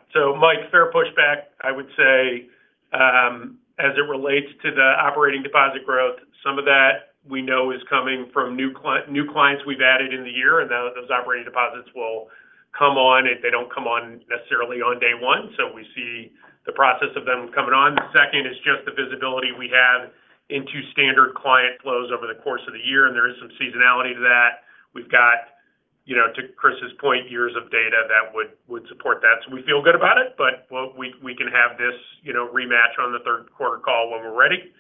Speaker 4: Mike, fair pushback. I would say, as it relates to the operating deposit growth, some of that we know is coming from new clients we've added in the year, and those operating deposits will come on if they don't come on necessarily on day one. We see the process of them coming on. Second is just the visibility we have into standard client flows over the course of the year, and there is some seasonality to that. We've got, to Chris's point, years of data that would support that. We feel good about it. But we can have this rematch on the third quarter call when we're ready.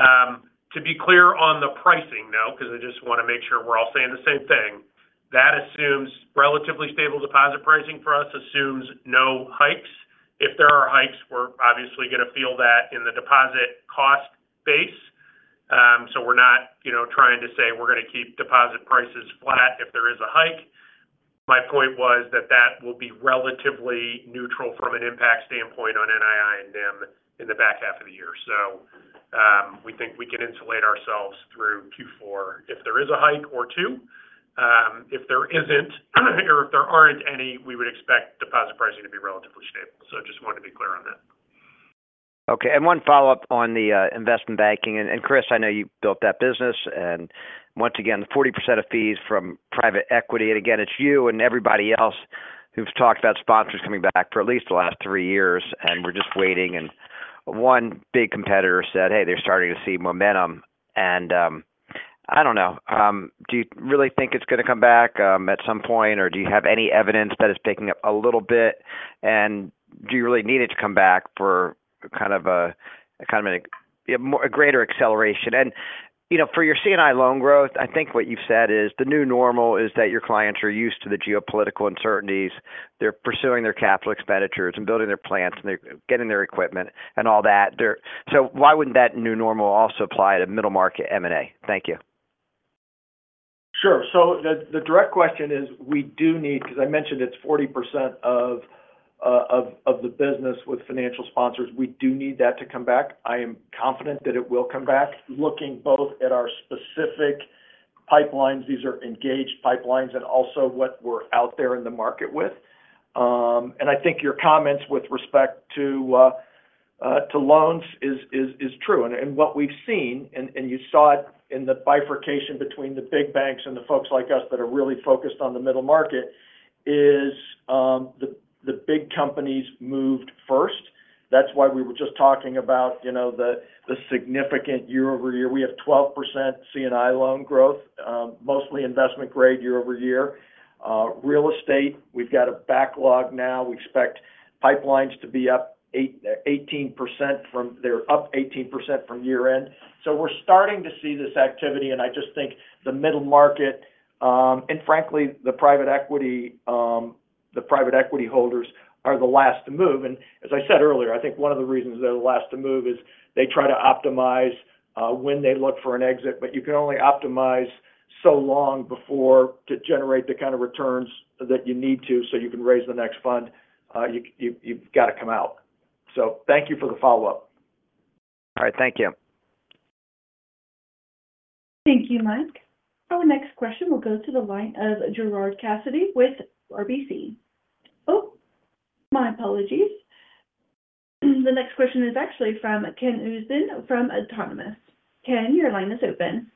Speaker 4: To be clear on the pricing now, because I just want to make sure we're all saying the same thing. That assumes relatively stable deposit pricing for us, assumes no hikes. If there are hikes, we're obviously going to feel that in the deposit cost base. We're not trying to say we're going to keep deposit prices flat if there is a hike. My point was that that will be relatively neutral from an impact standpoint on NII and NIM in the back half of the year. We think we can insulate ourselves through Q4 if there is a hike or two. If there isn't or if there aren't any, we would expect deposit pricing to be relatively stable. I just wanted to be clear on that.
Speaker 12: Okay. One follow-up on the investment banking. Chris, I know you built that business. Once again, the 40% of fees from private equity. Again, it's you and everybody else who've talked about sponsors coming back for at least the last three years, and we're just waiting. One big competitor said, hey, they're starting to see momentum. I don't know. Do you really think it's going to come back at some point? Do you have any evidence that it's picking up a little bit? Do you really need it to come back for kind of a greater acceleration? For your C&I loan growth, I think what you've said is the new normal is that your clients are used to the geopolitical uncertainties. They're pursuing their capital expenditure and building their plants, and they're getting their equipment and all that. Why wouldn't that new normal also apply to middle market M&A? Thank you.
Speaker 3: Sure. The direct question is, we do need, because I mentioned it's 40% of the business with financial sponsors, we do need that to come back. I am confident that it will come back. Looking both at our specific pipelines, these are engaged pipelines, and also what we're out there in the market with. I think your comments with respect to loans is true. What we've seen, and you saw it in the bifurcation between the big banks and the folks like us that are really focused on the middle market is the big companies moved first. That's why we were just talking about the significant year-over-year. We have 12% C&I loan growth. Mostly investment grade year-over-year. Real estate, we've got a backlog now. We expect pipelines to be up 18% from year end. We're starting to see this activity, and I just think the middle market, and frankly, the private equity holders are the last to move. As I said earlier, I think one of the reasons they're the last to move is they try to optimize when they look for an exit. You can only optimize so long before to generate the kind of returns that you need to so you can raise the next fund. You've got to come out. Thank you for the follow-up.
Speaker 12: All right. Thank you.
Speaker 1: Thank you, Mike. Our next question will go to the line of Gerard Cassidy with RBC. Oh, my apologies. The next question is actually from Ken Usdin from Autonomous. Ken, your line is open.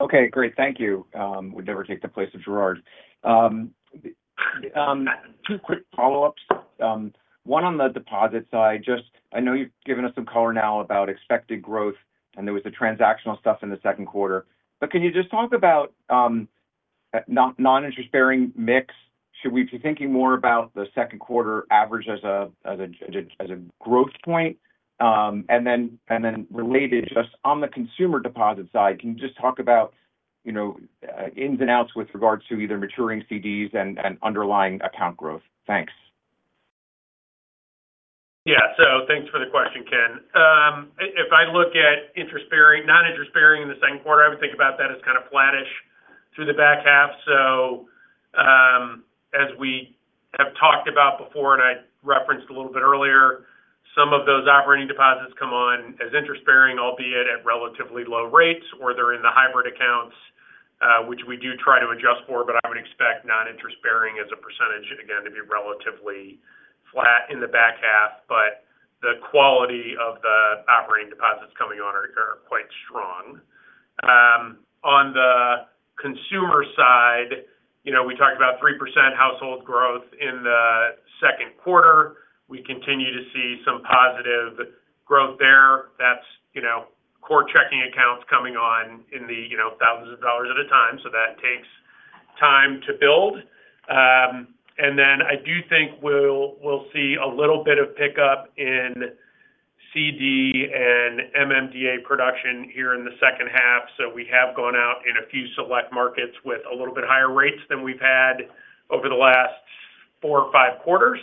Speaker 13: Okay, great. Thank you. Would never take the place of Gerard. Two quick follow-ups. One on the deposit side. I know you've given us some color now about expected growth, and there was the transactional stuff in the second quarter. Can you just talk about non-interest-bearing mix? Should we be thinking more about the second quarter average as a growth point? Related, just on the consumer deposit side, can you just talk about ins and outs with regard to either maturing CDs and underlying account growth? Thanks.
Speaker 4: Yeah. Thanks for the question, Ken. If I look at non-interest-bearing in the second quarter, I would think about that as kind of flattish through the back half. As we have talked about before, and I referenced a little bit earlier, some of those operating deposits come on as interest-bearing, albeit at relatively low rates, or they're in the hybrid accounts, which we do try to adjust for. I would expect non-interest-bearing as a percentage, again, to be relatively flat in the back half. The quality of the operating deposits coming on are quite strong. On the consumer side, we talked about 3% household growth in the second quarter. We continue to see some positive growth there. That's core checking accounts coming on in the thousands of dollars at a time. That takes time to build. I do think we'll see a little bit of pickup in CD and MMDA production here in the second half. We have gone out in a few select markets with a little bit higher rates than we've had over the last four or five quarters.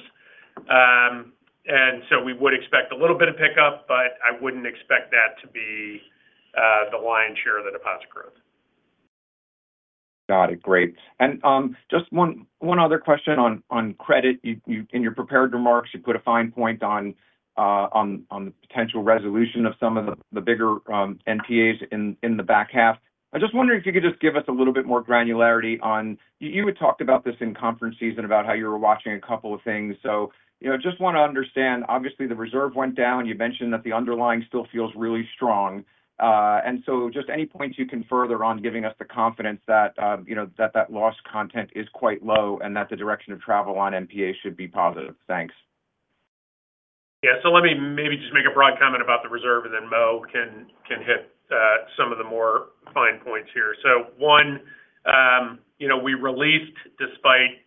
Speaker 4: We would expect a little bit of pickup, but I wouldn't expect that to be the lion's share of the deposit growth.
Speaker 13: Got it. Great. Just one other question on credit. In your prepared remarks, you put a fine point on the potential resolution of some of the bigger NPAs in the back half. I'm just wondering if you could just give us a little bit more granularity on, you had talked about this in conference season about how you were watching a couple of things. Just want to understand, obviously the reserve went down, you mentioned that the underlying still feels really strong. Just any points you can further on giving us the confidence that that loss content is quite low and that the direction of travel on NPA should be positive. Thanks.
Speaker 4: Yeah. Let me maybe just make a broad comment about the reserve and then Mo can hit some of the more fine points here. One, we released despite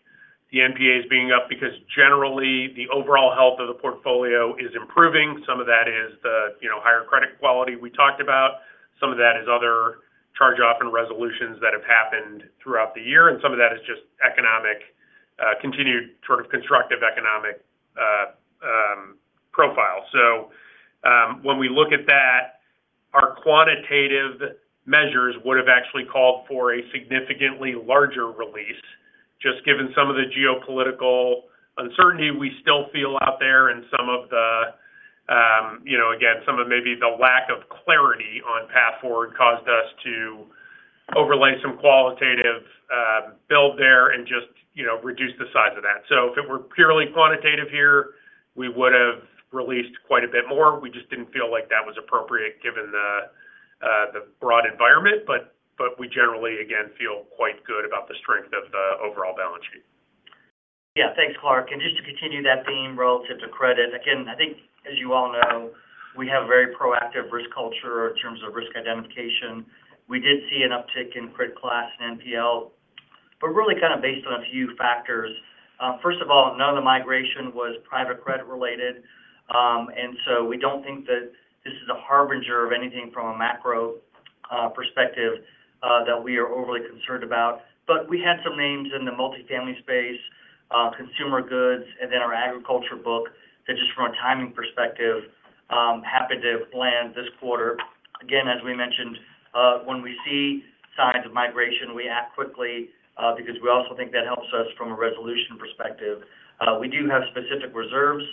Speaker 4: the NPAs being up because generally the overall health of the portfolio is improving. Some of that is the higher credit quality we talked about. Some of that is other charge-off and resolutions that have happened throughout the year, and some of that is just continued sort of constructive economic profile. When we look at that, our quantitative measures would have actually called for a significantly larger release. Just given some of the geopolitical uncertainty we still feel out there and some of the, again, some of maybe the lack of clarity on path forward caused us to overlay some qualitative build there and just reduce the size of that. If it were purely quantitative here, we would have released quite a bit more. We just didn't feel like that was appropriate given the broad environment, but we generally, again, feel quite good about the strength of the overall balance sheet.
Speaker 14: Yeah. Thanks, Clark. Just to continue that theme relative to credit, again, I think as you all know, we have a very proactive risk culture in terms of risk identification. We did see an uptick in criticized class and NPL, but really kind of based on a few factors. First of all, none of the migration was private credit related. We don't think that this is a harbinger of anything from a macro perspective that we are overly concerned about. We had some names in the multifamily space, consumer goods, and then our agriculture book that just from a timing perspective, happened to land this quarter. Again, as we mentioned, when we see signs of migration, we act quickly because we also think that helps us from a resolution perspective. We do have specific reserves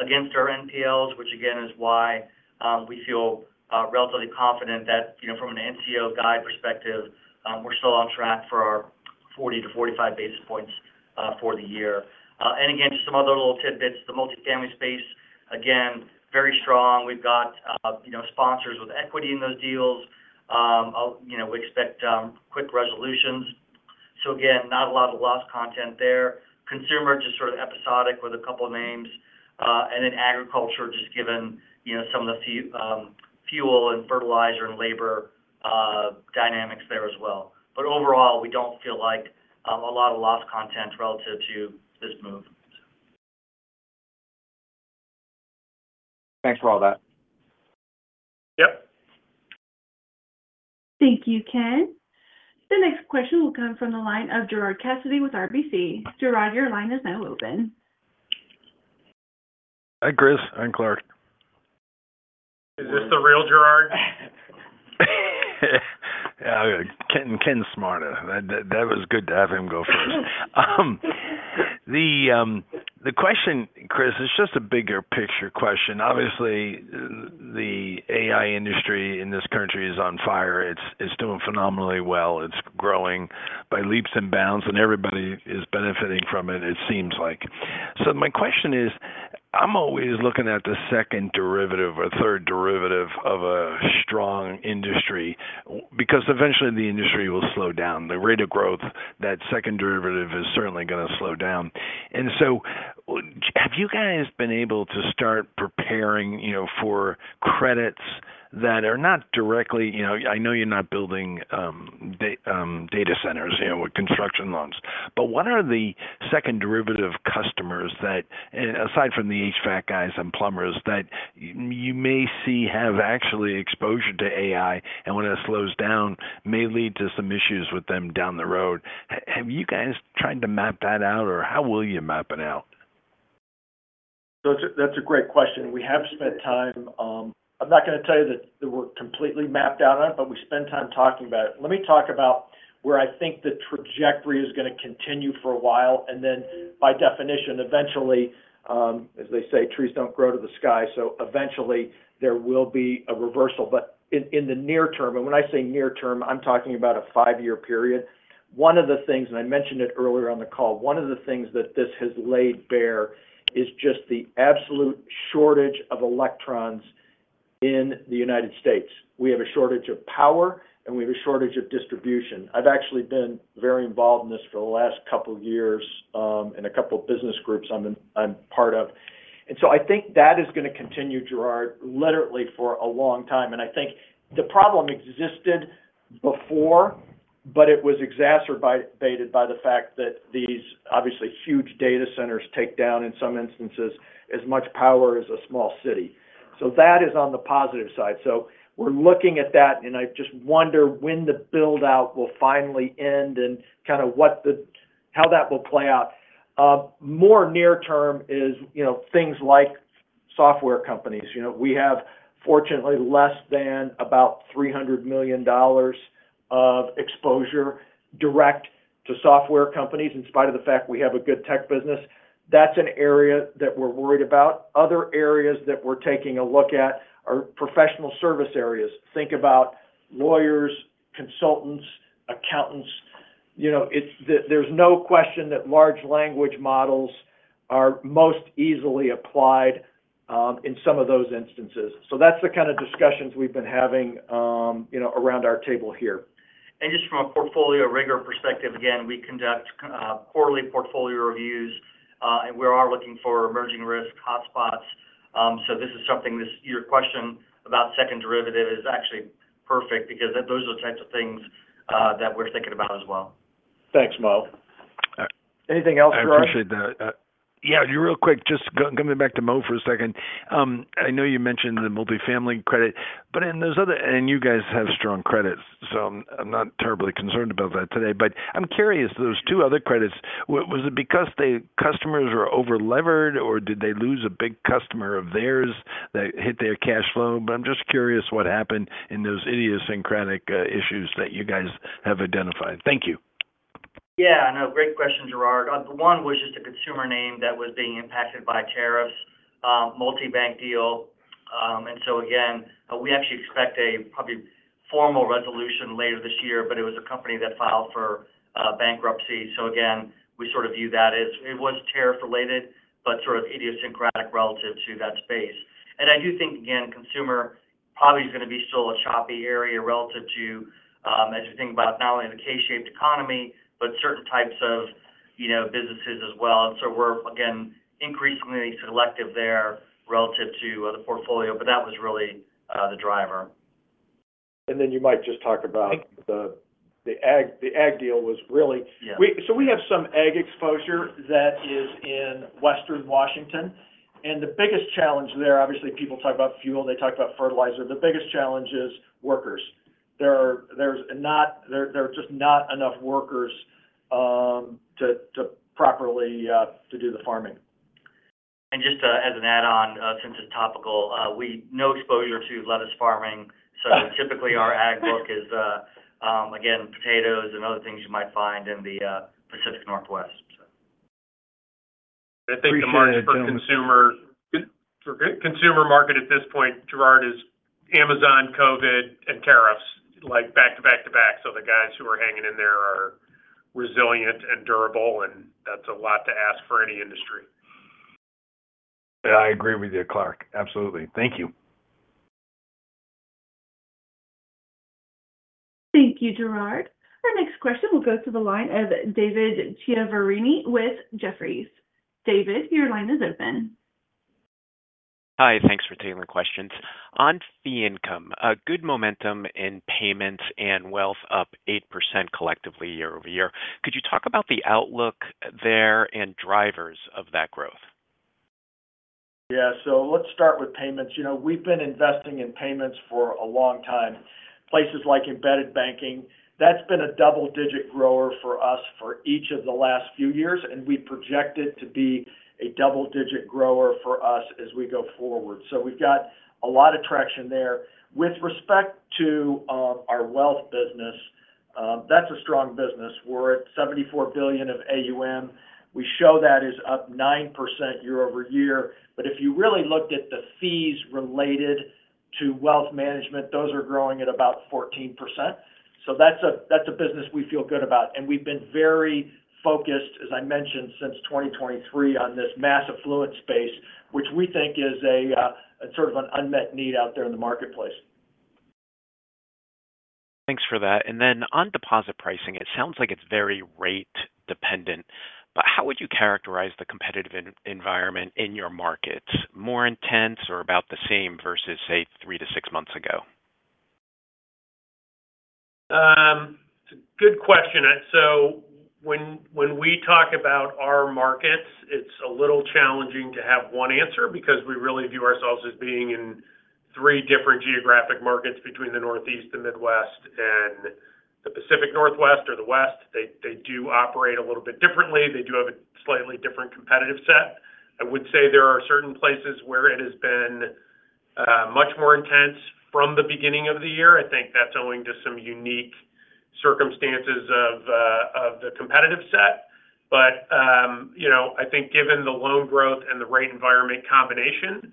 Speaker 14: against our NPLs, which again is why we feel relatively confident that from an NCO guide perspective, we're still on track for our 40-45 basis points for the year. Again, just some other little tidbits. The multifamily space, again, very strong. We've got sponsors with equity in those deals. We expect quick resolutions. Again, not a lot of loss content there. Consumer just sort of episodic with a couple of names. Then agriculture just given some of the fuel and fertilizer and labor dynamics there as well. Overall, we don't feel like a lot of loss content relative to this move.
Speaker 13: Thanks for all that.
Speaker 4: Yep.
Speaker 1: Thank you, Ken. The next question will come from the line of Gerard Cassidy with RBC. Gerard, your line is now open.
Speaker 15: Hi, Chris. Hi, Clark.
Speaker 4: Is this the real Gerard?
Speaker 15: Yeah. Ken's smarter. That was good to have him go first. The question, Chris, it's just a bigger picture question. Obviously, the AI industry in this country is on fire. It's doing phenomenally well. It's growing by leaps and bounds, and everybody is benefiting from it seems like. My question is, I'm always looking at the second derivative or third derivative of a strong industry, because eventually the industry will slow down. The rate of growth, that second derivative is certainly going to slow down. Have you guys been able to start preparing for credits that are not directly-- I know you're not building data centers with construction loans. What are the second derivative customers that, aside from the HVAC guys and plumbers, that you may see have actually exposure to AI, and when it slows down, may lead to some issues with them down the road? Have you guys tried to map that out or how will you map it out?
Speaker 3: That's a great question. We have spent time. I'm not going to tell you that we're completely mapped out on it, but we spent time talking about it. Let me talk about where I think the trajectory is going to continue for a while, and then by definition, eventually, as they say, trees don't grow to the sky, so eventually there will be a reversal. In the near-term, and when I say near-term, I'm talking about a five-year period. One of the things, and I mentioned it earlier on the call, one of the things that this has laid bare is just the absolute shortage of electrons in the United States. We have a shortage of power and we have a shortage of distribution. I've actually been very involved in this for the last couple years in a couple of business groups I'm part of. I think that is going to continue, Gerard, literally for a long time. I think the problem existed before, but it was exacerbated by the fact that these obviously huge data centers take down, in some instances, as much power as a small city. That is on the positive side. We're looking at that and I just wonder when the build-out will finally end and kind of how that will play out. More near-term is things like software companies. We have fortunately less than about $300 million of exposure direct to software companies, in spite of the fact we have a good tech business. That's an area that we're worried about. Other areas that we're taking a look at are professional service areas. Think about lawyers, consultants, accountants. There's no question that large language models are most easily applied in some of those instances. That's the kind of discussions we've been having around our table here.
Speaker 14: Just from a portfolio rigor perspective, again, we conduct quarterly portfolio reviews, and we are looking for emerging risk hotspots. This is something, your question about second derivative is actually perfect because those are the types of things that we're thinking about as well.
Speaker 3: Thanks, Mo. Anything else, Gerard?
Speaker 15: I appreciate that. Yeah, real quick, just coming back to Mo for a second. I know you mentioned the multifamily credit, and you guys have strong credits, so I'm not terribly concerned about that today. I'm curious, those two other credits, was it because the customers were over-levered, or did they lose a big customer of theirs that hit their cash flow? I'm just curious what happened in those idiosyncratic issues that you guys have identified. Thank you.
Speaker 14: Yeah, no, great question, Gerard. One was just a consumer name that was being impacted by tariffs. Multi-bank deal. Again, we actually expect a probably formal resolution later this year, but it was a company that filed for bankruptcy. Again, we sort of view that as it was tariff-related, but sort of idiosyncratic relative to that space. I do think, again, consumer probably is going to be still a choppy area relative to, as you think about not only the K-shaped economy, but certain types of businesses as well. We're, again, increasingly selective there relative to the portfolio. But that was really the driver.
Speaker 3: You might just talk about the ag deal.
Speaker 14: Yeah.
Speaker 3: We have some ag exposure that is in Western Washington. The biggest challenge there, obviously, people talk about fuel, they talk about fertilizer. The biggest challenge is workers. There are just not enough workers to properly do the farming.
Speaker 14: Just as an add-on, since it's topical, no exposure to lettuce farming. Typically our ag book is, again, potatoes and other things you might find in the Pacific Northwest.
Speaker 15: Appreciate it, gentlemen.
Speaker 4: I think the consumer market at this point, Gerard, is Amazon, COVID, and tariffs back to back to back. The guys who are hanging in there are resilient and durable, that's a lot to ask for any industry.
Speaker 15: I agree with you, Clark. Absolutely. Thank you.
Speaker 1: Thank you, Gerard. Our next question will go to the line of David Chiaverini with Jefferies. David, your line is open.
Speaker 16: Hi, thanks for taking the questions. On fee income, a good momentum in payments and wealth up 8% collectively year-over-year. Could you talk about the outlook there and drivers of that growth?
Speaker 3: Yeah. Let's start with payments. We've been investing in payments for a long time. Places like embedded banking, that's been a double-digit grower for us for each of the last few years, and we project it to be a double-digit grower for us as we go forward. We've got a lot of traction there. With respect to our wealth business, that's a strong business. We're at $74 billion of AUM. We show that is up 9% year-over-year. If you really looked at the fees related to wealth management, those are growing at about 14%. That's a business we feel good about. We've been very focused, as I mentioned, since 2023, on this Mass Affluent space, which we think is a sort of an unmet need out there in the marketplace.
Speaker 16: Thanks for that. On deposit pricing, it sounds like it's very rate dependent, but how would you characterize the competitive environment in your markets? More intense or about the same versus, say, three to six months ago?
Speaker 4: It's a good question. When we talk about our markets, it's a little challenging to have one answer because we really view ourselves as being in three different geographic markets between the Northeast, the Midwest, and the Pacific Northwest or the West. They do operate a little bit differently. They do have a slightly different competitive set. I would say there are certain places where it has been much more intense from the beginning of the year. I think that's owing to some unique circumstances of the competitive set. I think given the loan growth and the rate environment combination,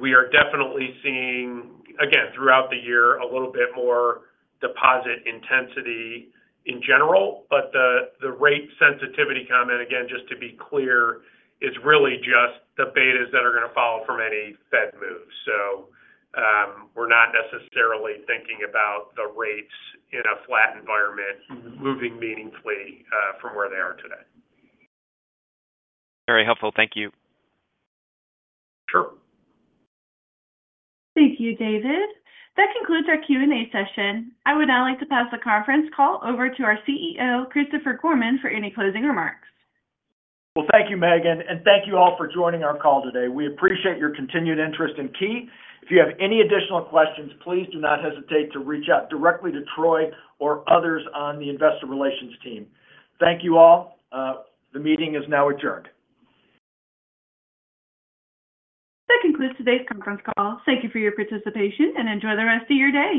Speaker 4: we are definitely seeing, again, throughout the year, a little bit more deposit intensity in general. The rate sensitivity comment, again, just to be clear, is really just the betas that are going to follow from any Fed moves. We're not necessarily thinking about the rates in a flat environment moving meaningfully from where they are today.
Speaker 16: Very helpful. Thank you.
Speaker 4: Sure.
Speaker 1: Thank you, David. That concludes our Q&A session. I would now like to pass the conference call over to our CEO, Christopher Gorman, for any closing remarks.
Speaker 3: Thank you, Megan, and thank you all for joining our call today. We appreciate your continued interest in Key. If you have any additional questions, please do not hesitate to reach out directly to Troy or others on the investor relations team. Thank you all. The meeting is now adjourned.
Speaker 1: That concludes today's conference call. Thank you for your participation, and enjoy the rest of your day.